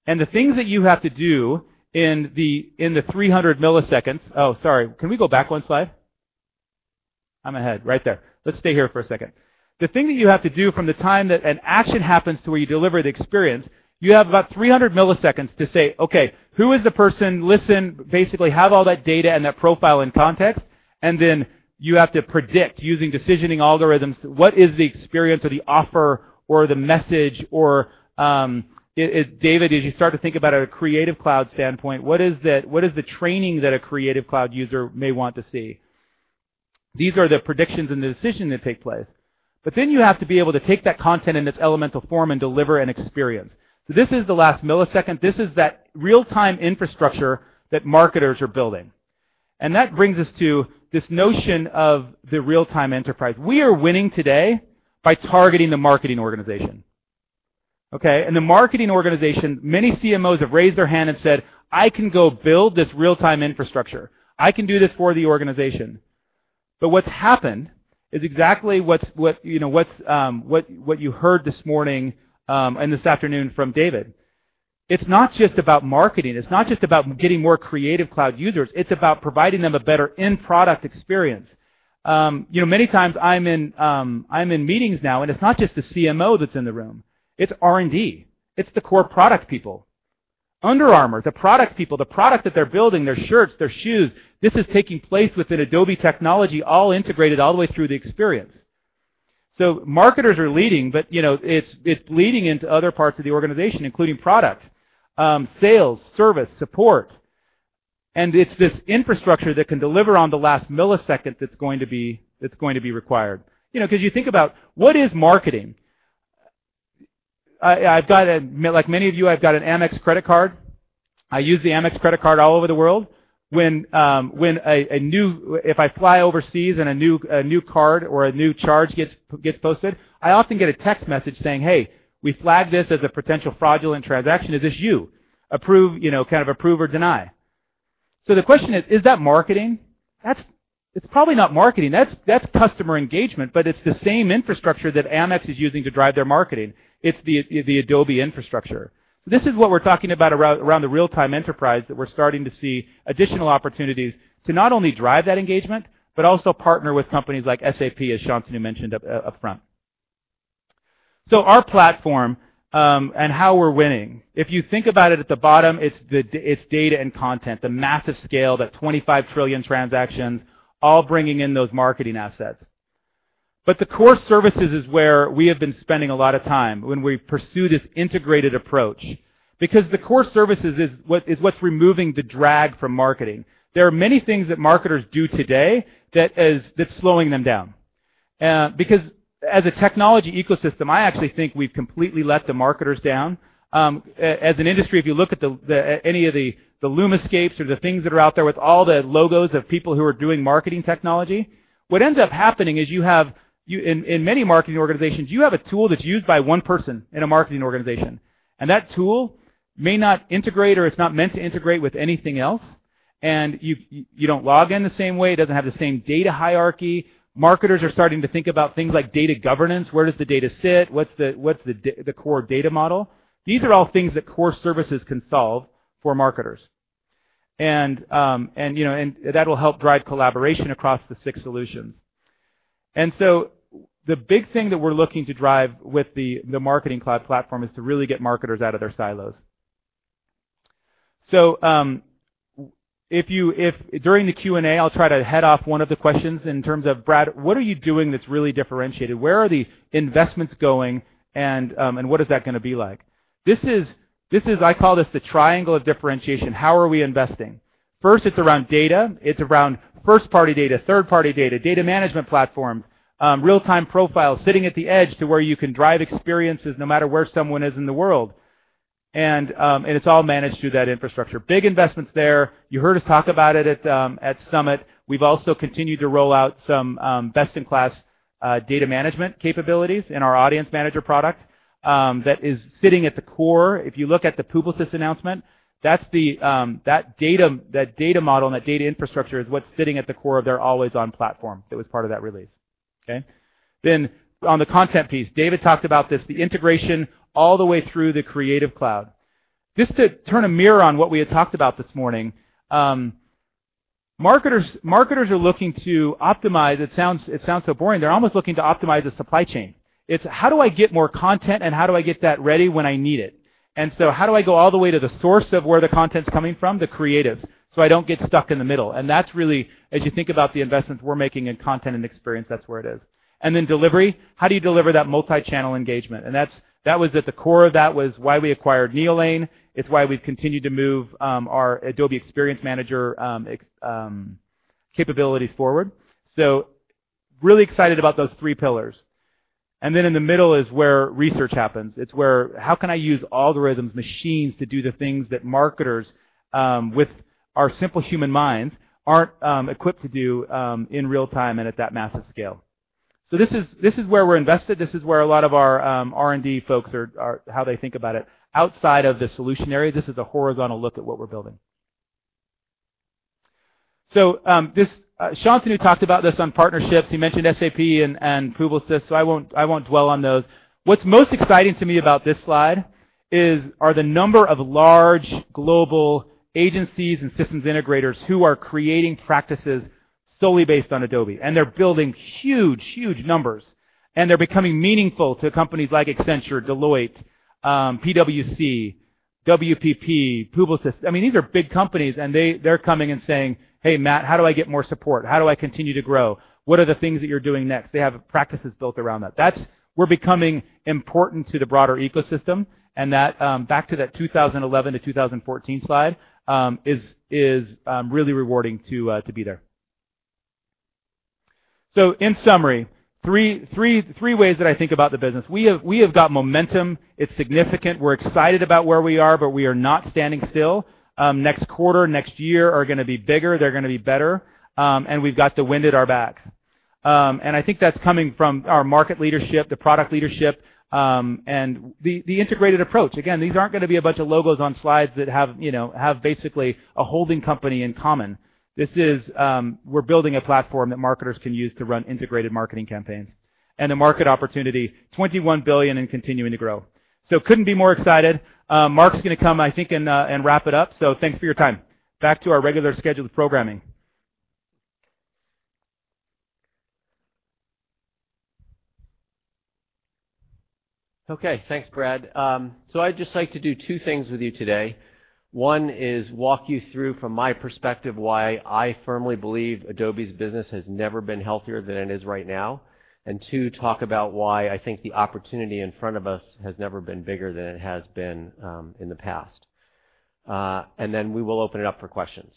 The things that you have to do in the 300 milliseconds. Sorry. Can we go back one slide? I'm ahead. Right there. Let's stay here for a second. The thing that you have to do from the time that an action happens to where you deliver the experience, you have about 300 milliseconds to say, "Okay, who is the person?" Listen, basically, have all that data and that profile in context. You have to predict using decisioning algorithms, what is the experience or the offer or the message, or, David, as you start to think about a Creative Cloud standpoint, what is the training that a Creative Cloud user may want to see? These are the predictions and the decisions that take place. You have to be able to take that content in its elemental form and deliver an experience. This is the last millisecond. This is that real-time infrastructure that marketers are building. That brings us to this notion of the real-time enterprise. We are winning today by targeting the marketing organization. Okay? The marketing organization, many CMOs have raised their hand and said, "I can go build this real-time infrastructure. I can do this for the organization." What's happened is exactly what you heard this morning, and this afternoon from David. It's not just about marketing. It's not just about getting more Creative Cloud users. It's about providing them a better end product experience. Many times, I'm in meetings now, and it's not just the CMO that's in the room. It's R&D. It's the core product people. Under Armour, the product people, the product that they're building, their shirts, their shoes, this is taking place within Adobe technology all integrated all the way through the experience. Marketers are leading, but it's bleeding into other parts of the organization, including product, sales, service, support. It's this infrastructure that can deliver on the last millisecond that's going to be required. You think about what is marketing? Like many of you, I've got an Amex credit card. I use the Amex credit card all over the world. If I fly overseas and a new card or a new charge gets posted, I often get a text message saying, "Hey, we flagged this as a potential fraudulent transaction. Is this you?" Approve or deny. The question is that marketing? It's probably not marketing. That's customer engagement, but it's the same infrastructure that Amex is using to drive their marketing. It's the Adobe infrastructure. This is what we're talking about around the real-time enterprise that we're starting to see additional opportunities to not only drive that engagement, but also partner with companies like SAP, as Shantanu mentioned up front. Our platform, and how we're winning, if you think about it at the bottom, it's data and content, the massive scale, that 25 trillion transactions, all bringing in those marketing assets. The core services is where we have been spending a lot of time when we pursue this integrated approach because the core services is what's removing the drag from marketing. There are many things that marketers do today that's slowing them down. As a technology ecosystem, I actually think we've completely let the marketers down. As an industry, if you look at any of the LUMAscapes or the things that are out there with all the logos of people who are doing marketing technology, what ends up happening is you have, in many marketing organizations, you have a tool that's used by one person in a marketing organization, and that tool may not integrate or it's not meant to integrate with anything else, and you don't log in the same way, it doesn't have the same data hierarchy. Marketers are starting to think about things like data governance. Where does the data sit? What's the core data model? These are all things that core services can solve for marketers. That will help drive collaboration across the six solutions. The big thing that we're looking to drive with the Marketing Cloud platform is to really get marketers out of their silos. During the Q&A, I'll try to head off one of the questions in terms of, "Brad, what are you doing that's really differentiated? Where are the investments going, and what is that going to be like?" This is, I call this the triangle of differentiation. How are we investing? First, it's around data. It's around first-party data, third-party data management platforms, real-time profiles sitting at the edge to where you can drive experiences no matter where someone is in the world. It's all managed through that infrastructure. Big investments there. You heard us talk about it at Adobe Summit. We've also continued to roll out some best-in-class data management capabilities in our Adobe Audience Manager product, that is sitting at the core. If you look at the Publicis Groupe announcement, that data model and that data infrastructure is what's sitting at the core of their always-on platform that was part of that release, okay? On the content piece, David talked about this, the integration all the way through the Creative Cloud. Just to turn a mirror on what we had talked about this morning, marketers are looking to optimize, it sounds so boring. They're almost looking to optimize the supply chain. It's how do I get more content, and how do I get that ready when I need it? How do I go all the way to the source of where the content's coming from, the creatives, so I don't get stuck in the middle? That's really, as you think about the investments we're making in content and experience, that's where it is. Then delivery. How do you deliver that multi-channel engagement? At the core of that was why we acquired Neolane. It's why we've continued to move our Adobe Experience Manager capabilities forward. Really excited about those three pillars. Then in the middle is where research happens. It's where, how can I use algorithms, machines to do the things that marketers with our simple human minds aren't equipped to do in real time and at that massive scale? This is where we're invested. This is where a lot of our R&D folks, how they think about it. Outside of the solution area, this is a horizontal look at what we're building. Shantanu talked about this on partnerships. He mentioned SAP and Publicis Groupe, so I won't dwell on those. What's most exciting to me about this slide are the number of large global agencies and systems integrators who are creating practices solely based on Adobe, they're building huge numbers. They're becoming meaningful to companies like Accenture, Deloitte, PwC, WPP, Publicis Groupe. These are big companies, and they're coming and saying, "Hey, Matt, how do I get more support? How do I continue to grow? What are the things that you're doing next?" They have practices built around that. We're becoming important to the broader ecosystem, and back to that 2011 to 2014 slide, is really rewarding to be there. In summary, three ways that I think about the business. We have got momentum. It's significant. We're excited about where we are, but we are not standing still. Next quarter, next year are going to be bigger, they're going to be better, and we've got the wind at our backs. I think that's coming from our market leadership, the product leadership, and the integrated approach. Again, these aren't going to be a bunch of logos on slides that have basically a holding company in common. We're building a platform that marketers can use to run integrated marketing campaigns. The market opportunity, $21 billion and continuing to grow. Couldn't be more excited. Mark's going to come, I think, and wrap it up. Thanks for your time. Back to our regular scheduled programming. Okay. Thanks, Brad. I'd just like to do two things with you today. One is walk you through, from my perspective, why I firmly believe Adobe's business has never been healthier than it is right now, and two, talk about why I think the opportunity in front of us has never been bigger than it has been in the past. Then we will open it up for questions.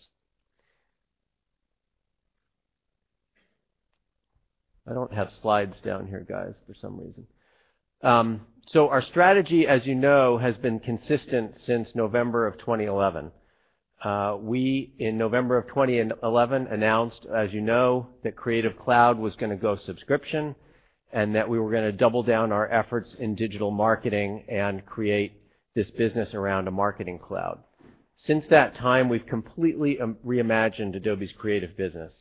I don't have slides down here, guys, for some reason. Our strategy, as you know, has been consistent since November of 2011. We, in November of 2011, announced, as you know, that Creative Cloud was going to go subscription, and that we were going to double down our efforts in digital marketing and create this business around a Marketing Cloud. Since that time, we've completely reimagined Adobe's creative business.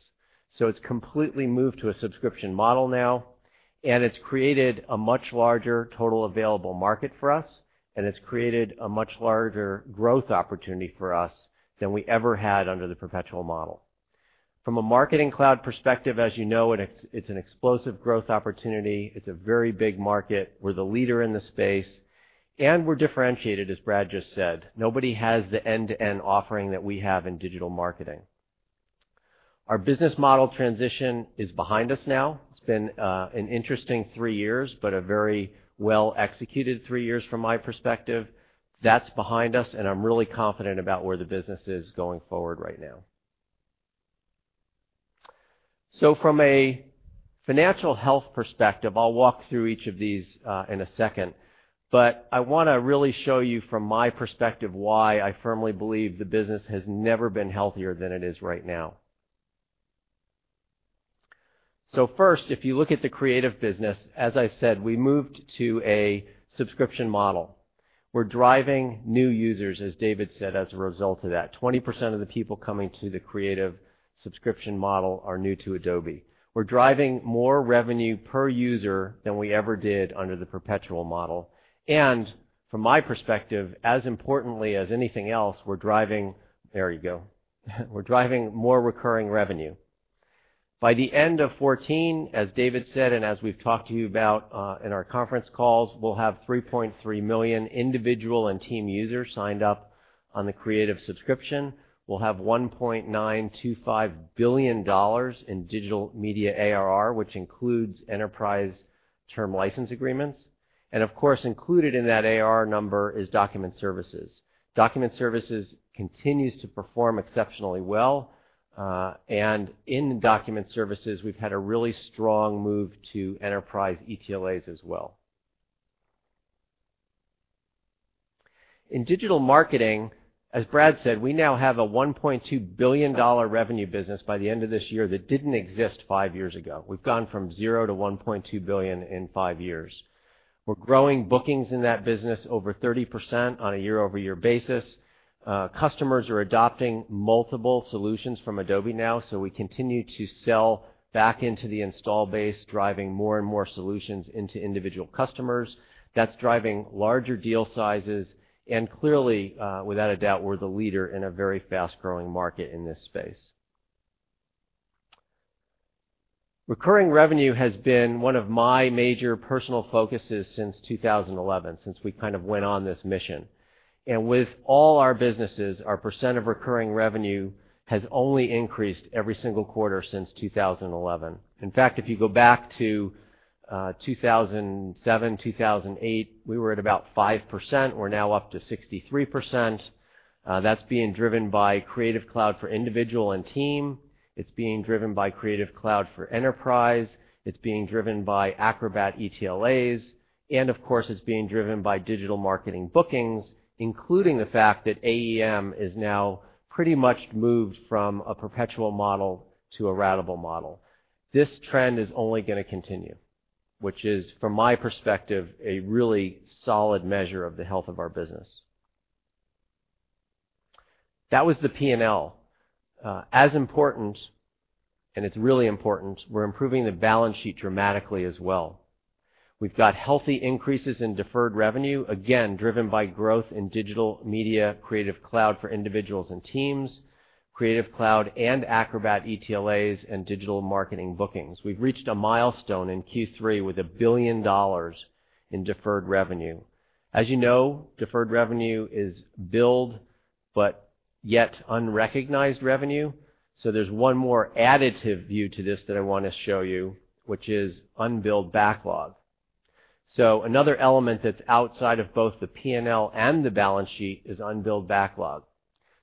It's completely moved to a subscription model now, and it's created a much larger total available market for us, and it's created a much larger growth opportunity for us than we ever had under the perpetual model. From a Marketing Cloud perspective, as you know, it's an explosive growth opportunity. It's a very big market. We're the leader in the space, and we're differentiated, as Brad just said. Nobody has the end-to-end offering that we have in digital marketing. Our business model transition is behind us now. It's been an interesting three years, but a very well-executed three years from my perspective. That's behind us, and I'm really confident about where the business is going forward right now. From a financial health perspective, I'll walk through each of these in a second, but I want to really show you from my perspective why I firmly believe the business has never been healthier than it is right now. First, if you look at the creative business, as I've said, we moved to a subscription model. We're driving new users, as David said, as a result of that. 20% of the people coming to the Creative subscription model are new to Adobe. We're driving more revenue per user than we ever did under the perpetual model. From my perspective, as importantly as anything else, we're driving, there you go, we're driving more recurring revenue. By the end of 2014, as David said, and as we've talked to you about in our conference calls, we'll have 3.3 million individual and team users signed up on the Creative subscription. We'll have $1.925 billion in Digital Media ARR, which includes enterprise term license agreements. Of course, included in that ARR number is Document Services. Document Services continues to perform exceptionally well. In Document Services, we've had a really strong move to enterprise ETLAs as well. In digital marketing, as Brad said, we now have a $1.2 billion revenue business by the end of this year that didn't exist five years ago. We've gone from zero to $1.2 billion in five years. We're growing bookings in that business over 30% on a year-over-year basis. Customers are adopting multiple solutions from Adobe now, so we continue to sell back into the install base, driving more and more solutions into individual customers. That's driving larger deal sizes. Clearly, without a doubt, we're the leader in a very fast-growing market in this space. Recurring revenue has been one of my major personal focuses since 2011, since we kind of went on this mission. With all our businesses, our percent of recurring revenue has only increased every single quarter since 2011. In fact, if you go back to 2007, 2008, we were at about 5%. We're now up to 63%. That's being driven by Creative Cloud for individual and team. It's being driven by Creative Cloud for enterprise. It's being driven by Acrobat ETLAs. Of course, it's being driven by digital marketing bookings, including the fact that AEM is now pretty much moved from a perpetual model to a ratable model. This trend is only going to continue, which is, from my perspective, a really solid measure of the health of our business. That was the P&L. As important, and it's really important, we're improving the balance sheet dramatically as well. We've got healthy increases in deferred revenue, again, driven by growth in digital media, Creative Cloud for individuals and teams, Creative Cloud and Acrobat ETLAs, and digital marketing bookings. We've reached a milestone in Q3 with $1 billion in deferred revenue. As you know, deferred revenue is billed, but yet unrecognized revenue. There's one more additive view to this that I want to show you, which is unbilled backlog. Another element that's outside of both the P&L and the balance sheet is unbilled backlog.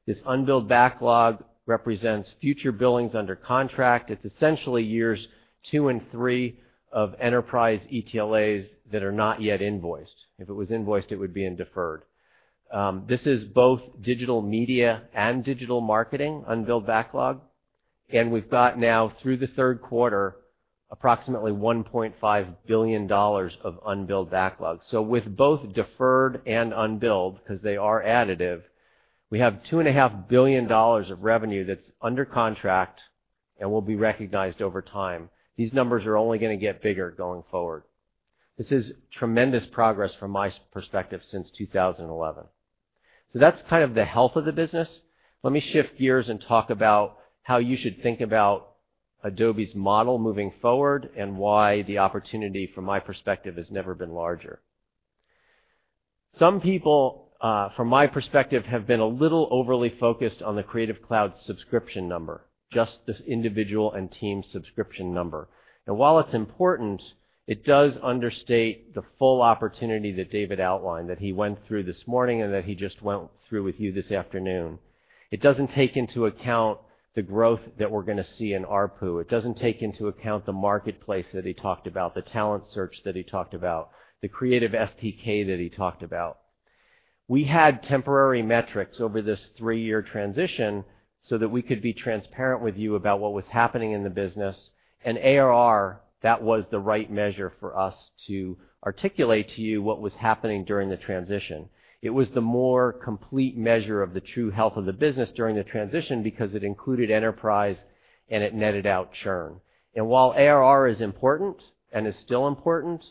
This unbilled backlog represents future billings under contract. It's essentially years two and three of enterprise ETLAs that are not yet invoiced. If it was invoiced, it would be in deferred. This is both digital media and digital marketing unbilled backlog. We've got now, through the third quarter, approximately $1.5 billion of unbilled backlog. With both deferred and unbilled, because they are additive, we have $2.5 billion of revenue that's under contract and will be recognized over time. These numbers are only going to get bigger going forward. This is tremendous progress from my perspective since 2011. That's kind of the health of the business. Let me shift gears and talk about how you should think about Adobe's model moving forward and why the opportunity from my perspective has never been larger. Some people, from my perspective, have been a little overly focused on the Creative Cloud subscription number, just this individual and team subscription number. While it's important, it does understate the full opportunity that David outlined, that he went through this morning and that he just went through with you this afternoon. It doesn't take into account the growth that we're going to see in ARPU. It doesn't take into account the marketplace that he talked about, the Talent Search that he talked about, the Creative SDK that he talked about. We had temporary metrics over this three-year transition so that we could be transparent with you about what was happening in the business. ARR, that was the right measure for us to articulate to you what was happening during the transition. It was the more complete measure of the true health of the business during the transition because it included enterprise and it netted out churn. While ARR is important and is still important,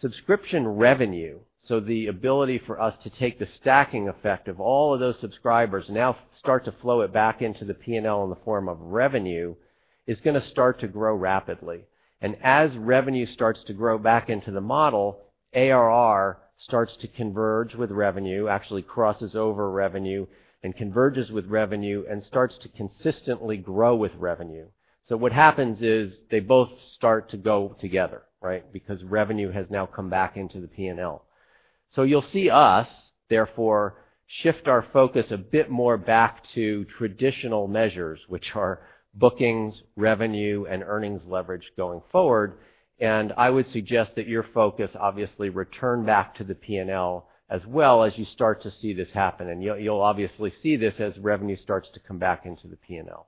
subscription revenue, so the ability for us to take the stacking effect of all of those subscribers, now start to flow it back into the P&L in the form of revenue, is going to start to grow rapidly. As revenue starts to grow back into the model, ARR starts to converge with revenue, actually crosses over revenue, and converges with revenue, and starts to consistently grow with revenue. What happens is they both start to go together, right? Because revenue has now come back into the P&L. You'll see us, therefore, shift our focus a bit more back to traditional measures, which are bookings, revenue, and earnings leverage going forward. I would suggest that your focus obviously return back to the P&L as well as you start to see this happen. You'll obviously see this as revenue starts to come back into the P&L.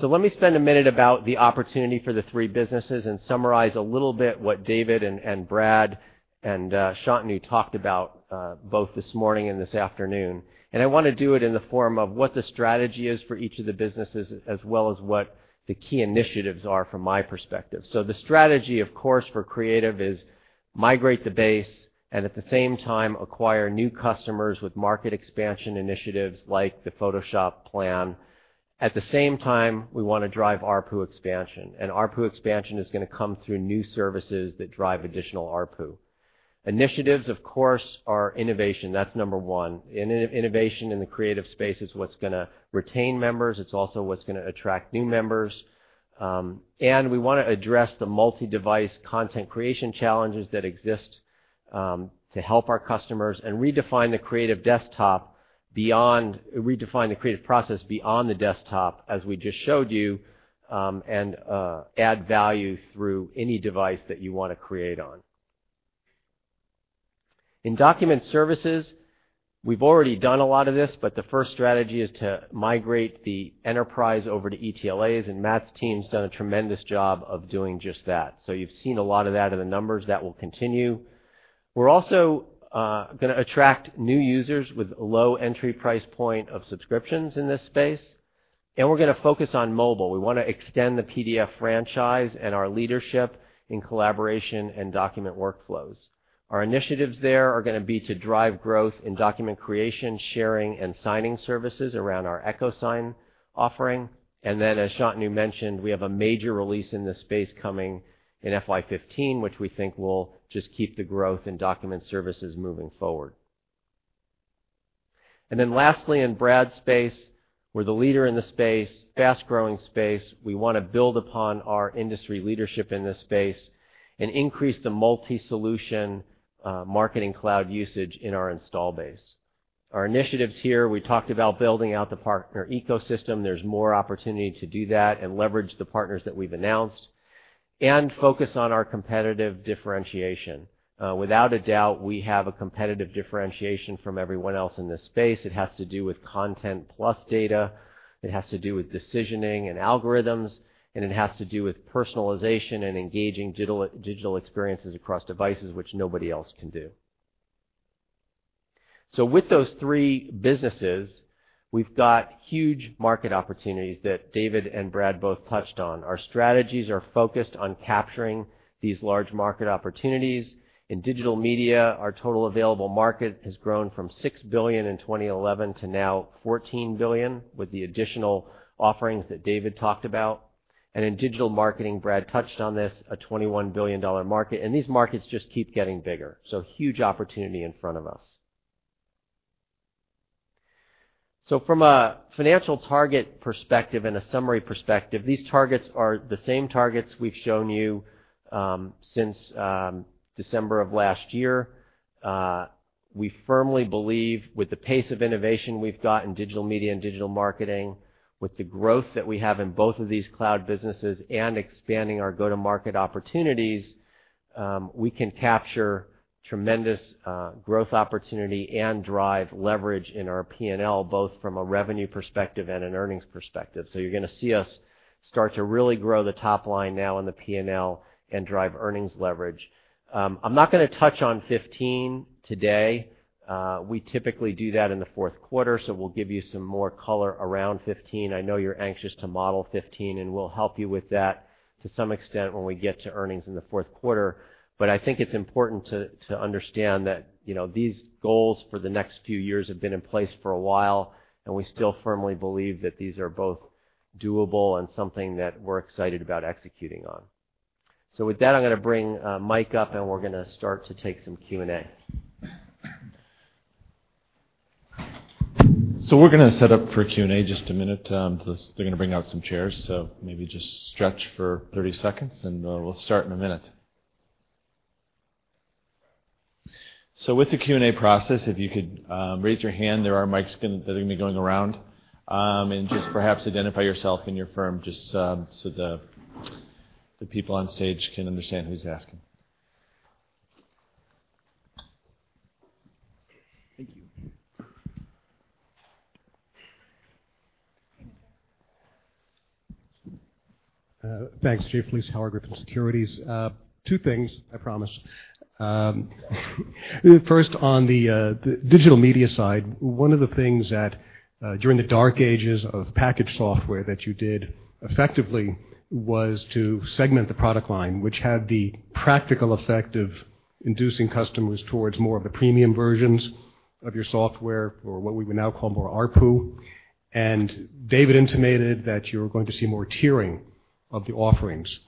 Let me spend a minute about the opportunity for the three businesses and summarize a little bit what David and Brad and Shantanu talked about both this morning and this afternoon. I want to do it in the form of what the strategy is for each of the businesses, as well as what the key initiatives are from my perspective. The strategy, of course, for Creative is migrate the base and at the same time acquire new customers with market expansion initiatives like the Photoshop plan. At the same time, we want to drive ARPU expansion. ARPU expansion is going to come through new services that drive additional ARPU. Initiatives, of course, are innovation. That's number 1. Innovation in the Creative space is what's going to retain members. It's also what's going to attract new members. We want to address the multi-device content creation challenges that exist to help our customers and redefine the creative process beyond the desktop, as we just showed you, and add value through any device that you want to create on. In Document Services, we've already done a lot of this, but the first strategy is to migrate the enterprise over to ETLAs, and Matt's team's done a tremendous job of doing just that. You've seen a lot of that in the numbers. That will continue. We're also going to attract new users with a low entry price point of subscriptions in this space, and we're going to focus on mobile. We want to extend the PDF franchise and our leadership in collaboration and document workflows. Our initiatives there are going to be to drive growth in document creation, sharing, and signing services around our EchoSign offering. Then, as Shantanu mentioned, we have a major release in this space coming in FY 2015, which we think will just keep the growth in Document Services moving forward. Lastly, in Brad's space, we're the leader in the space, fast-growing space. We want to build upon our industry leadership in this space and increase the multi-solution Marketing Cloud usage in our install base. Our initiatives here, we talked about building out the partner ecosystem. There is more opportunity to do that and leverage the partners that we have announced and focus on our competitive differentiation. Without a doubt, we have a competitive differentiation from everyone else in this space. It has to do with content plus data. It has to do with decisioning and algorithms, and it has to do with personalization and engaging digital experiences across devices, which nobody else can do. With those three businesses, we've got huge market opportunities that David and Brad both touched on. Our strategies are focused on capturing these large market opportunities. In Digital Media, our total available market has grown from $6 billion in 2011 to now $14 billion with the additional offerings that David talked about. In Digital Marketing, Brad touched on this, a $21 billion market, and these markets just keep getting bigger. Huge opportunity in front of us. From a financial target perspective and a summary perspective, these targets are the same targets we've shown you since December of last year. We firmly believe with the pace of innovation we've got in Digital Media and Digital Marketing, with the growth that we have in both of these cloud businesses and expanding our go-to-market opportunities, we can capture tremendous growth opportunity and drive leverage in our P&L both from a revenue perspective and an earnings perspective. You're going to see us start to really grow the top line now in the P&L and drive earnings leverage. I'm not going to touch on 2015 today. We typically do that in the fourth quarter, we'll give you some more color around 2015. I know you're anxious to model 2015, and we'll help you with that to some extent when we get to earnings in the fourth quarter. I think it's important to understand that these goals for the next few years have been in place for a while, and we still firmly believe that these are both doable and something that we're excited about executing on. With that, I'm going to bring Mike up and we're going to start to take some Q&A. We're going to set up for Q&A in just a minute. They're going to bring out some chairs, maybe just stretch for 30 seconds and we'll start in a minute. With the Q&A process, if you could raise your hand, there are mics that are going to be going around. Just perhaps identify yourself and your firm just so the people on stage can understand who's asking. Thank you. Thanks, Jay Felice, Griffin Securities. Two things, I promise. First, on the digital media side, one of the things that during the dark ages of package software that you did effectively was to segment the product line, which had the practical effect of inducing customers towards more of the premium versions of your software or what we would now call more ARPU. David intimated that you're going to see more tiering of the offerings.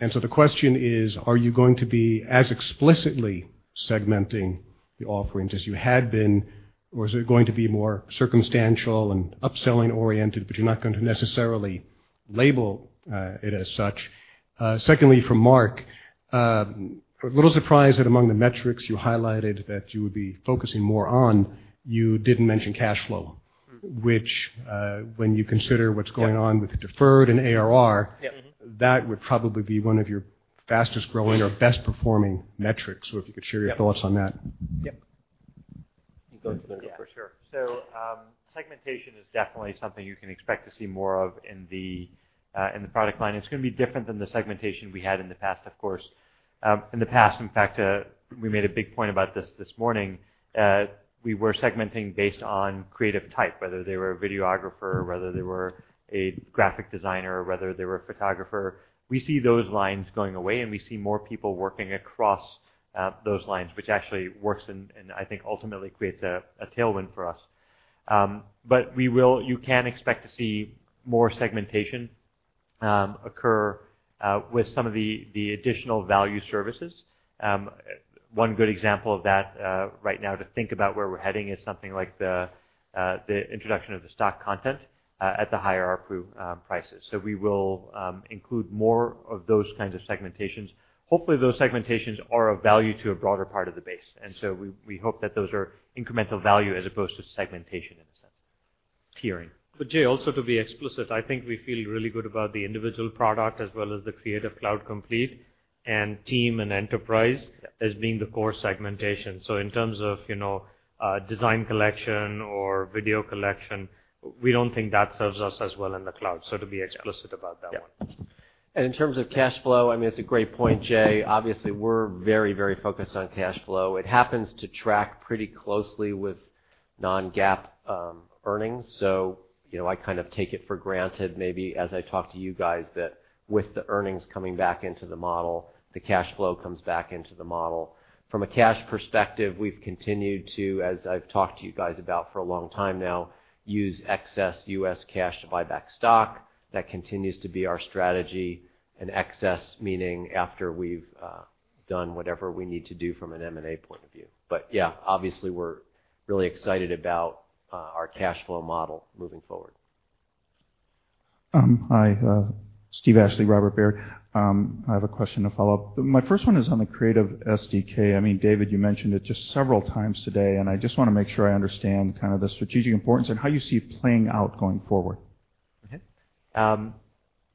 The question is, are you going to be as explicitly segmenting the offerings as you had been, or is it going to be more circumstantial and upselling oriented, but you're not going to necessarily label it as such? Secondly, for Mark, a little surprised that among the metrics you highlighted that you would be focusing more on, you didn't mention cash flow, which when you consider what's going on with the deferred and ARR. Yep. That would probably be one of your fastest-growing or best-performing metrics. If you could share your thoughts on that. Yep. You can go to that. Segmentation is definitely something you can expect to see more of in the product line. It's going to be different than the segmentation we had in the past, of course. In the past, in fact, we made a big point about this this morning, we were segmenting based on creative type, whether they were a videographer or whether they were a graphic designer or whether they were a photographer. We see those lines going away and we see more people working across those lines, which actually works and I think ultimately creates a tailwind for us. You can expect to see more segmentation occur with some of the additional value services. One good example of that right now to think about where we're heading is something like the introduction of the stock content at the higher ARPU prices. We will include more of those kinds of segmentations. Hopefully, those segmentations are of value to a broader part of the base. We hope that those are incremental value as opposed to segmentation, in a sense. Tiering. Jay, also to be explicit, I think we feel really good about the individual product as well as the Creative Cloud Pro and Team and Enterprise as being the core segmentation. In terms of design collection or video collection, we don't think that serves us as well in the cloud. To be explicit about that one. Yeah. In terms of cash flow, it's a great point, Jay. Obviously, we're very focused on cash flow. It happens to track pretty closely with non-GAAP earnings. I kind of take it for granted maybe as I talk to you guys that with the earnings coming back into the model, the cash flow comes back into the model. From a cash perspective, we've continued to, as I've talked to you guys about for a long time now, use excess U.S. cash to buy back stock. That continues to be our strategy, and excess meaning after we've Done whatever we need to do from an M&A point of view. Yeah, obviously, we're really excited about our cash flow model moving forward. Hi, Steve Ashley, Robert W. Baird & Co. I have a question to follow up. My first one is on the Creative SDK. David, you mentioned it just several times today, and I just want to make sure I understand kind of the strategic importance and how you see it playing out going forward. Okay.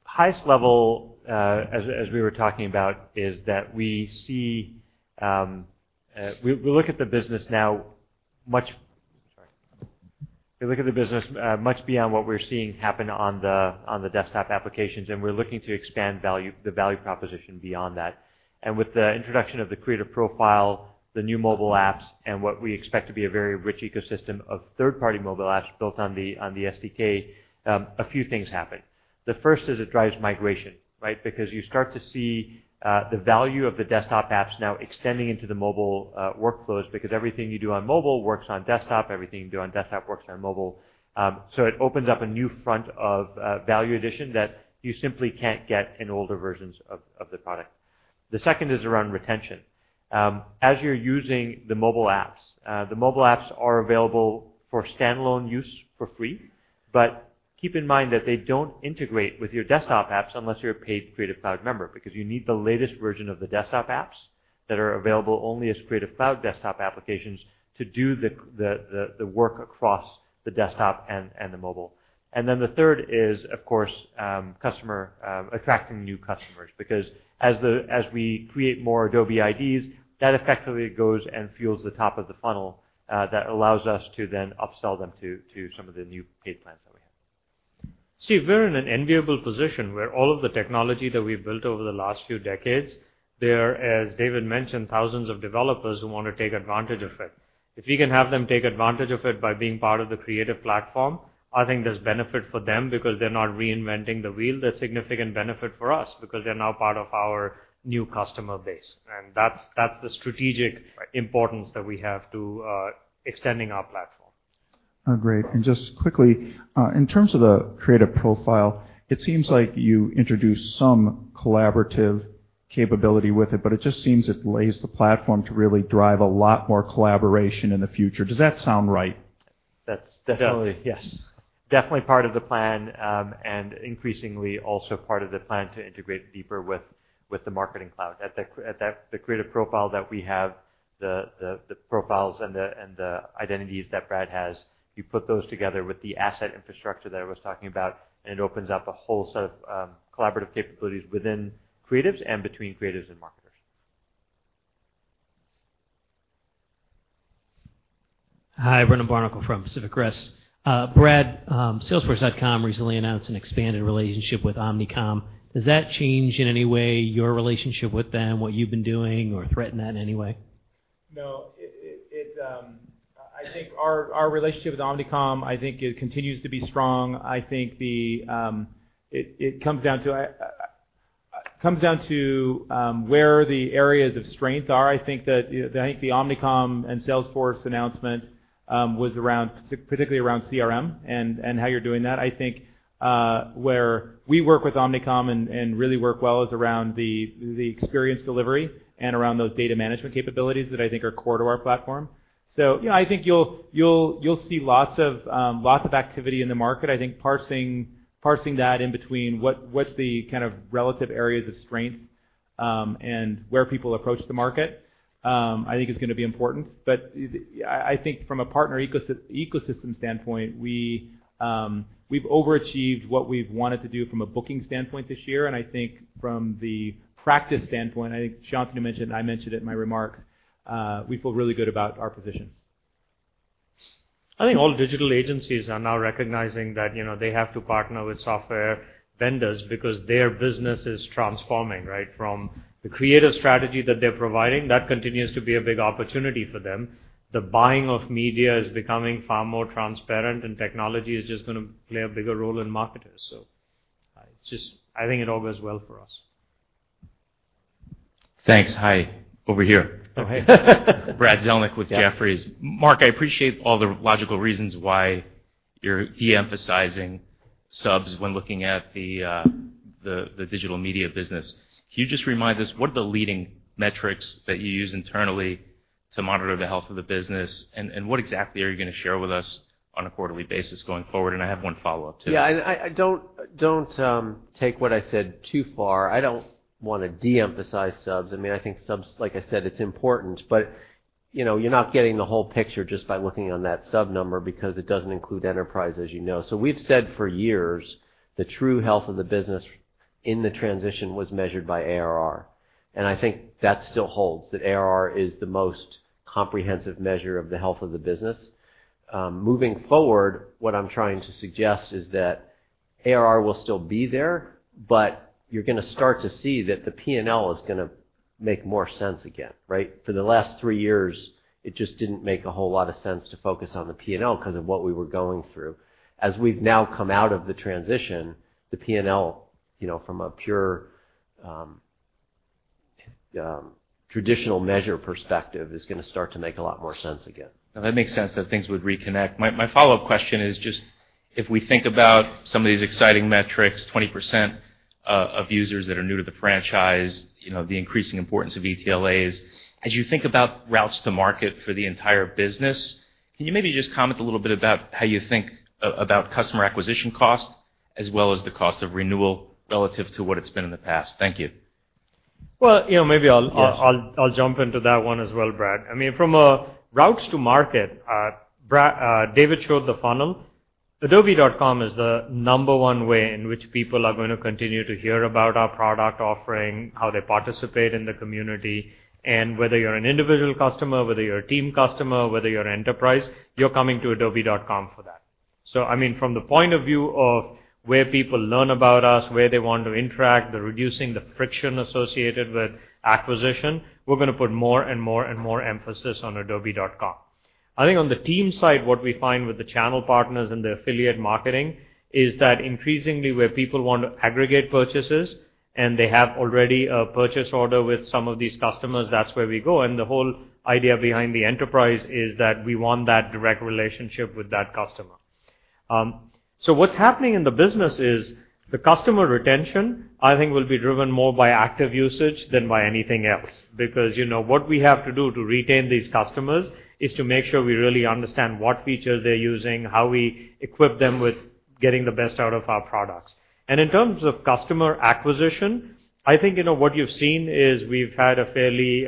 Highest level, as we were talking about, is that we look at the business now. We look at the business much beyond what we're seeing happen on the desktop applications, and we're looking to expand the value proposition beyond that. With the introduction of the Creative Profile, the new mobile apps, and what we expect to be a very rich ecosystem of third-party mobile apps built on the SDK, a few things happen. The first is it drives migration, right? Because you start to see the value of the desktop apps now extending into the mobile workflows because everything you do on mobile works on desktop, everything you do on desktop works on mobile. It opens up a new front of value addition that you simply can't get in older versions of the product. The second is around retention. As you're using the mobile apps, the mobile apps are available for standalone use for free, but keep in mind that they don't integrate with your desktop apps unless you're a paid Creative Cloud member, because you need the latest version of the desktop apps that are available only as Creative Cloud desktop applications to do the work across the desktop and the mobile. The third is, of course, attracting new customers. As we create more Adobe IDs, that effectively goes and fuels the top of the funnel that allows us to then upsell them to some of the new paid plans that we have. Steve, we're in an enviable position where all of the technology that we've built over the last few decades, there are, as David mentioned, thousands of developers who want to take advantage of it. If we can have them take advantage of it by being part of the Creative Cloud platform, I think there's benefit for them because they're not reinventing the wheel. There's significant benefit for us because they're now part of our new customer base, that's the strategic importance that we have to extending our platform. Oh, great. Just quickly, in terms of the Creative Profile, it seems like you introduced some collaborative capability with it just seems it lays the platform to really drive a lot more collaboration in the future. Does that sound right? That's definitely- Yes. Definitely part of the plan, increasingly, also part of the plan to integrate deeper with the Marketing Cloud. At the Creative Profile that we have, the profiles and the identities that Brad has, you put those together with the asset infrastructure that I was talking about, it opens up a whole set of collaborative capabilities within creatives and between creatives and marketers. Hi, Brent Bracelin from Pacific Crest. Brad, salesforce.com recently announced an expanded relationship with Omnicom. Does that change in any way your relationship with them, what you've been doing or threaten that in any way? I think our relationship with Omnicom, I think it continues to be strong. I think it comes down to where the areas of strength are. I think the Omnicom and Salesforce announcement was particularly around CRM and how you're doing that. I think where we work with Omnicom and really work well is around the experience delivery and around those data management capabilities that I think are core to our platform. I think you'll see lots of activity in the market. I think parsing that in between what's the kind of relative areas of strength, and where people approach the market, I think is going to be important. I think from a partner ecosystem standpoint, we've overachieved what we've wanted to do from a booking standpoint this year, I think from the practice standpoint, I think Shantanu mentioned, I mentioned it in my remarks, we feel really good about our position. I think all digital agencies are now recognizing that they have to partner with software vendors because their business is transforming, right, from the creative strategy that they're providing, that continues to be a big opportunity for them. The buying of media is becoming far more transparent, and technology is just going to play a bigger role in marketers. I think it all goes well for us. Thanks. Hi. Over here. Oh, hey. Brad Zelnick with Jefferies. Mark, I appreciate all the logical reasons why you're de-emphasizing subs when looking at the digital media business. Can you just remind us what are the leading metrics that you use internally to monitor the health of the business, and what exactly are you going to share with us on a quarterly basis going forward? I have one follow-up, too. Yeah, don't take what I said too far. I don't want to de-emphasize subs. I think subs, like I said, it's important, but you're not getting the whole picture just by looking on that sub number because it doesn't include enterprise, as you know. We've said for years the true health of the business in the transition was measured by ARR, and I think that still holds, that ARR is the most comprehensive measure of the health of the business. Moving forward, what I'm trying to suggest is that ARR will still be there, but you're going to start to see that the P&L is going to make more sense again, right? For the last three years, it just didn't make a whole lot of sense to focus on the P&L because of what we were going through. As we've now come out of the transition, the P&L, from a pure traditional measure perspective, is going to start to make a lot more sense again. That makes sense that things would reconnect. My follow-up question is just. If we think about some of these exciting metrics, 20% of users that are new to the franchise, the increasing importance of ETLAs. As you think about routes to market for the entire business, can you maybe just comment a little bit about how you think about customer acquisition costs, as well as the cost of renewal relative to what it's been in the past? Thank you. Well, maybe I'll Yes jump into that one as well, Brad. From routes to market, Brad, David showed the funnel. adobe.com is the number one way in which people are going to continue to hear about our product offering, how they participate in the community, and whether you're an individual customer, whether you're a team customer, whether you're enterprise, you're coming to adobe.com for that. From the point of view of where people learn about us, where they want to interact, the reducing the friction associated with acquisition, we're going to put more and more and more emphasis on adobe.com. I think on the team side, what we find with the channel partners and the affiliate marketing is that increasingly where people want to aggregate purchases and they have already a purchase order with some of these customers, that's where we go, and the whole idea behind the enterprise is that we want that direct relationship with that customer. What's happening in the business is the customer retention, I think, will be driven more by active usage than by anything else. Because what we have to do to retain these customers is to make sure we really understand what features they're using, how we equip them with getting the best out of our products. In terms of customer acquisition, I think, what you've seen is we've had a fairly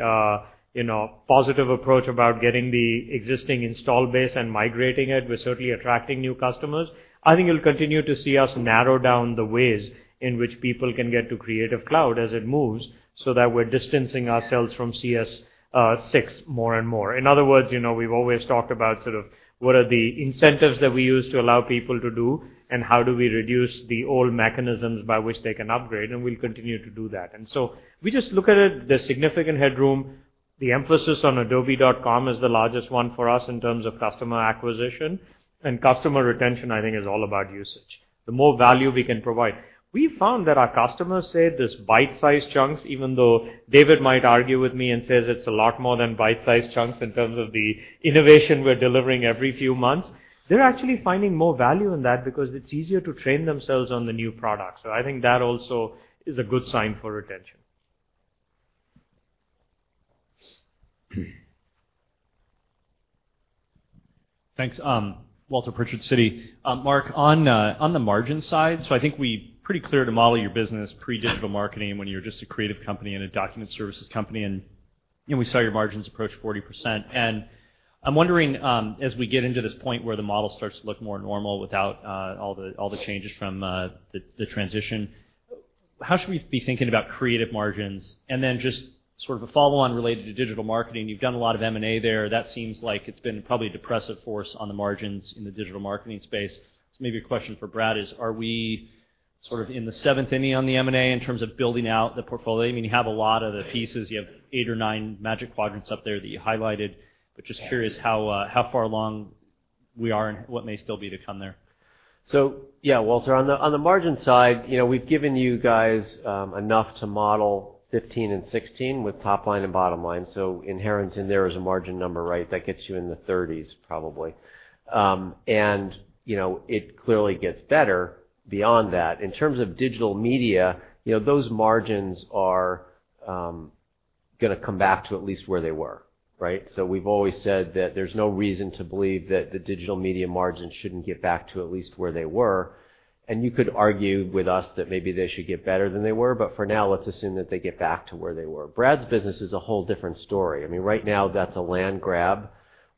positive approach about getting the existing install base and migrating it. We're certainly attracting new customers. I think you'll continue to see us narrow down the ways in which people can get to Creative Cloud as it moves so that we're distancing ourselves from CS6 more and more. In other words, we've always talked about sort of what are the incentives that we use to allow people to do and how do we reduce the old mechanisms by which they can upgrade, and we'll continue to do that. We just look at it, the significant headroom, the emphasis on adobe.com is the largest one for us in terms of customer acquisition and customer retention, I think is all about usage. The more value we can provide. We've found that our customers say this bite-sized chunks, even though David might argue with me and says it's a lot more than bite-sized chunks in terms of the innovation we're delivering every few months. They're actually finding more value in that because it's easier to train themselves on the new product. I think that also is a good sign for retention. Thanks. Walter Pritchard, Citi. Mark, on the margin side, I think we pretty clear to model your business pre-digital marketing when you're just a creative company and a document services company, and we saw your margins approach 40%. I'm wondering, as we get into this point where the model starts to look more normal without all the changes from the transition, how should we be thinking about creative margins? Then just sort of a follow-on related to digital marketing. You've done a lot of M&A there. That seems like it's been probably a depressive force on the margins in the digital marketing space. Maybe a question for Brad is, are we sort of in the seventh inning on the M&A in terms of building out the portfolio? You have a lot of the pieces. You have eight or nine Magic Quadrants up there that you highlighted, just curious how far along we are and what may still be to come there. Yeah, Walter, on the margin side, we've given you guys enough to model 2015 and 2016 with top line and bottom line. Inherent in there is a margin number, right? That gets you in the 30s probably. It clearly gets better beyond that. In terms of digital media, those margins are going to come back to at least where they were. Right? We've always said that there's no reason to believe that the digital media margins shouldn't get back to at least where they were. You could argue with us that maybe they should get better than they were, for now, let's assume that they get back to where they were. Brad's business is a whole different story. Right now, that's a land grab.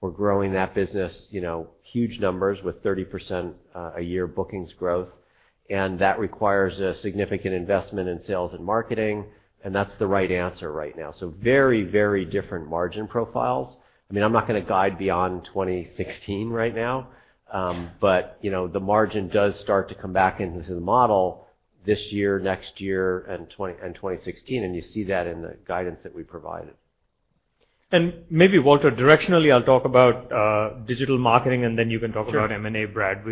We're growing that business, huge numbers with 30% a year bookings growth. That requires a significant investment in sales and marketing, and that's the right answer right now. Very, very different margin profiles. I'm not going to guide beyond 2016 right now, but the margin does start to come back into the model this year, next year, and 2016. You see that in the guidance that we provided. Maybe Walter, directionally, I'll talk about digital marketing. Then you can talk about M&A, Brad.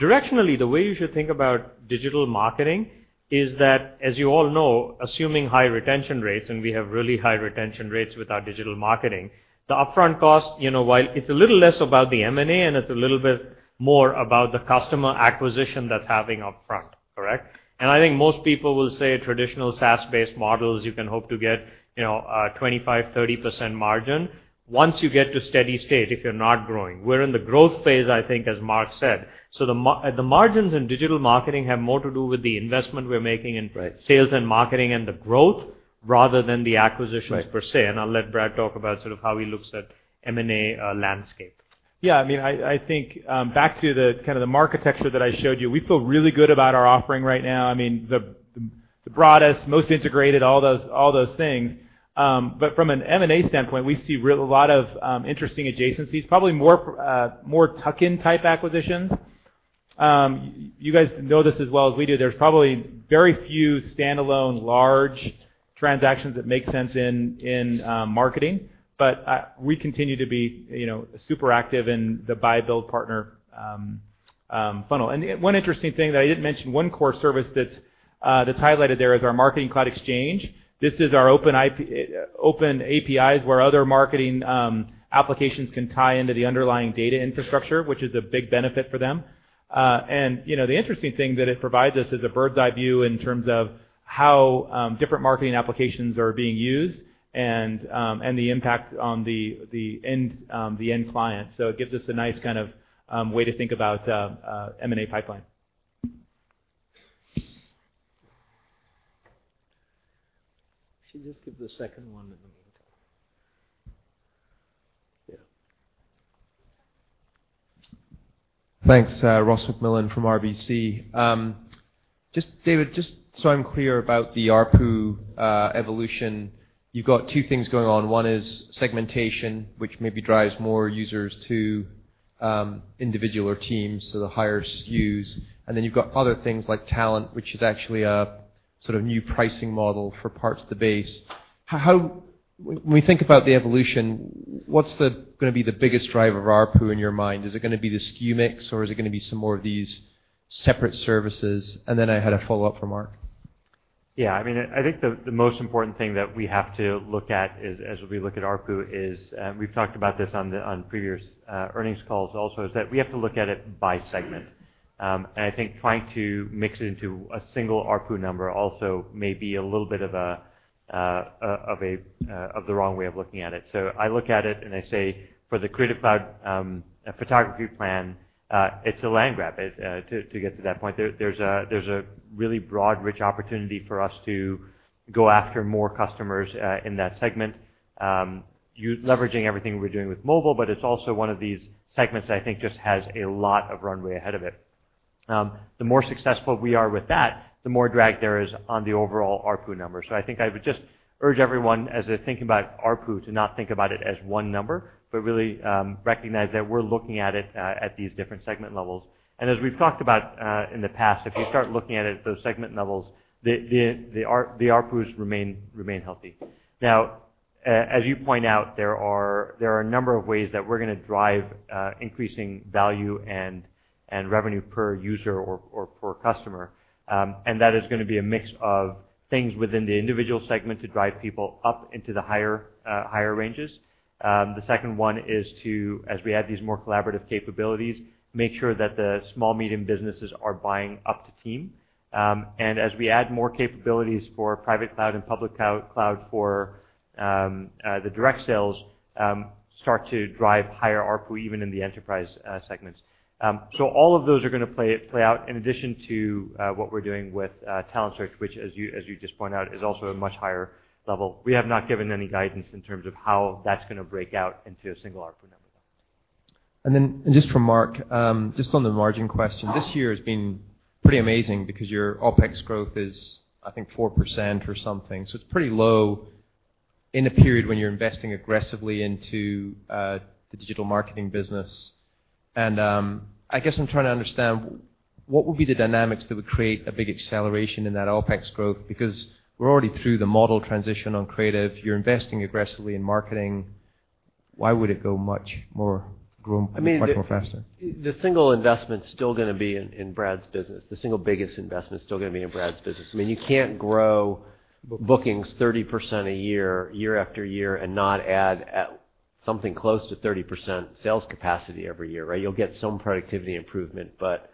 Directionally, the way you should think about digital marketing is that, as you all know, assuming high retention rates, and we have really high retention rates with our digital marketing, the upfront cost, while it's a little less about the M&A and it's a little bit more about the customer acquisition that's happening upfront. Correct? I think most people will say traditional SaaS-based models, you can hope to get 25, 30% margin once you get to steady state, if you're not growing. We're in the growth phase, I think, as Mark said. The margins in digital marketing have more to do with the investment we're making in- Right sales and marketing and the growth rather than the acquisitions- Right per se. I'll let Brad talk about sort of how he looks at M&A landscape. I think back to the kind of the marketecture that I showed you, we feel really good about our offering right now. The broadest, most integrated, all those things. From an M&A standpoint, we see a lot of interesting adjacencies, probably more tuck-in type acquisitions. You guys know this as well as we do, there's probably very few standalone large transactions that make sense in marketing. We continue to be super active in the buy, build partner funnel. One interesting thing that I didn't mention, one core service that's That's highlighted there is our Adobe Exchange Marketplace. This is our open APIs where other marketing applications can tie into the underlying data infrastructure, which is a big benefit for them. The interesting thing that it provides us is a bird's eye view in terms of how different marketing applications are being used and the impact on the end client. It gives us a nice kind of way to think about M&A pipeline. Should just give the second one in the meantime. Yeah. Thanks. Ross MacMillan from RBC. David, just so I'm clear about the ARPU evolution, you've got two things going on. One is segmentation, which maybe drives more users to individual or teams, so the higher SKUs. Then you've got other things like Talent, which is actually a sort of new pricing model for parts of the base. When we think about the evolution, what's going to be the biggest driver of ARPU in your mind? Is it going to be the SKU mix or is it going to be some more of these separate services? Then I had a follow-up for Mark. I think the most important thing that we have to look at as we look at ARPU is, we've talked about this on previous earnings calls also, is that we have to look at it by segment. I think trying to mix it into a single ARPU number also may be a little bit of the wrong way of looking at it. I look at it and I say, for the Creative Cloud Photography plan, it's a land grab to get to that point. There's a really broad, rich opportunity for us to go after more customers in that segment, leveraging everything we're doing with mobile, but it's also one of these segments that I think just has a lot of runway ahead of it. The more successful we are with that, the more drag there is on the overall ARPU number. I think I would just urge everyone, as they're thinking about ARPU, to not think about it as one number, but really recognize that we're looking at it at these different segment levels. As we've talked about in the past, if you start looking at it at those segment levels, the ARPUs remain healthy. Now, as you point out, there are a number of ways that we're going to drive increasing value and revenue per user or per customer. That is going to be a mix of things within the individual segment to drive people up into the higher ranges. The second one is to, as we add these more collaborative capabilities, make sure that the small, medium businesses are buying up to team. As we add more capabilities for private cloud and public cloud for the direct sales, start to drive higher ARPU even in the enterprise segments. All of those are going to play out in addition to what we're doing with Talent Search, which as you just pointed out, is also a much higher level. We have not given any guidance in terms of how that's going to break out into a single ARPU number. Just for Mark, just on the margin question. This year has been pretty amazing because your OpEx growth is, I think 4% or something. It's pretty low in a period when you're investing aggressively into the digital marketing business. I guess I'm trying to understand what would be the dynamics that would create a big acceleration in that OpEx growth, because we're already through the model transition on creative. You're investing aggressively in marketing. Why would it grow much more faster? The single investment's still going to be in Brad's business. The single biggest investment's still going to be in Brad's business. You can't grow bookings 30% a year after year, and not add something close to 30% sales capacity every year, right? You'll get some productivity improvement, but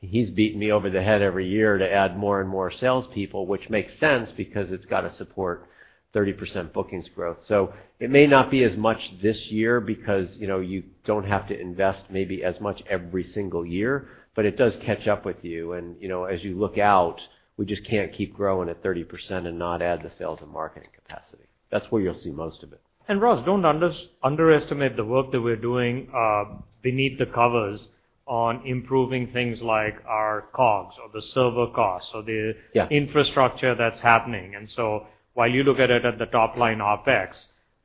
he's beaten me over the head every year to add more and more salespeople, which makes sense because it's got to support 30% bookings growth. It may not be as much this year because you don't have to invest maybe as much every single year, but it does catch up with you. As you look out, we just can't keep growing at 30% and not add the sales and marketing capacity. That's where you'll see most of it. Ross, don't underestimate the work that we're doing beneath the covers on improving things like our COGS or the server costs. Yeah infrastructure that's happening. While you look at it at the top line OpEx,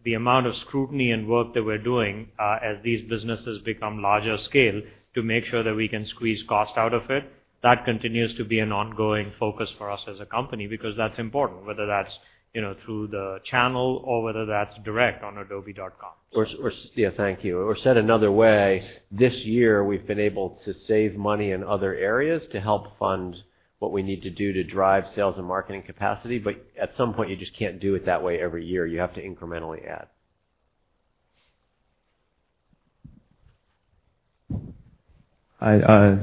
the amount of scrutiny and work that we're doing as these businesses become larger scale to make sure that we can squeeze cost out of it, that continues to be an ongoing focus for us as a company because that's important, whether that's through the channel or whether that's direct on adobe.com. Yeah. Thank you. Said another way, this year, we've been able to save money in other areas to help fund what we need to do to drive sales and marketing capacity. At some point, you just can't do it that way every year. You have to incrementally add.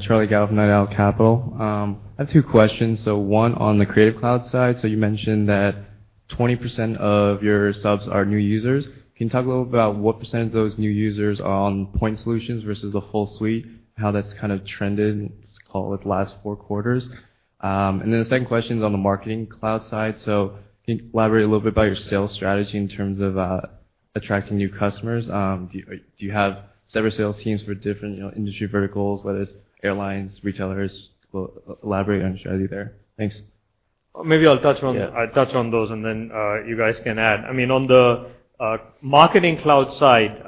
Charlie Galvin at Owl Capital. I have two questions. One on the Creative Cloud side. You mentioned that 20% of your subs are new users. Can you talk a little bit about what % of those new users are on point solutions versus the full suite, how that's kind of trended, call it, the last four quarters? The second question is on the Marketing Cloud side. Can you elaborate a little bit about your sales strategy in terms of attracting new customers? Do you have separate sales teams for different industry verticals, whether it's airlines, retailers? Elaborate on your strategy there. Thanks. Maybe I'll touch on- Yeah I'll touch on those. You guys can add. On the Marketing Cloud side.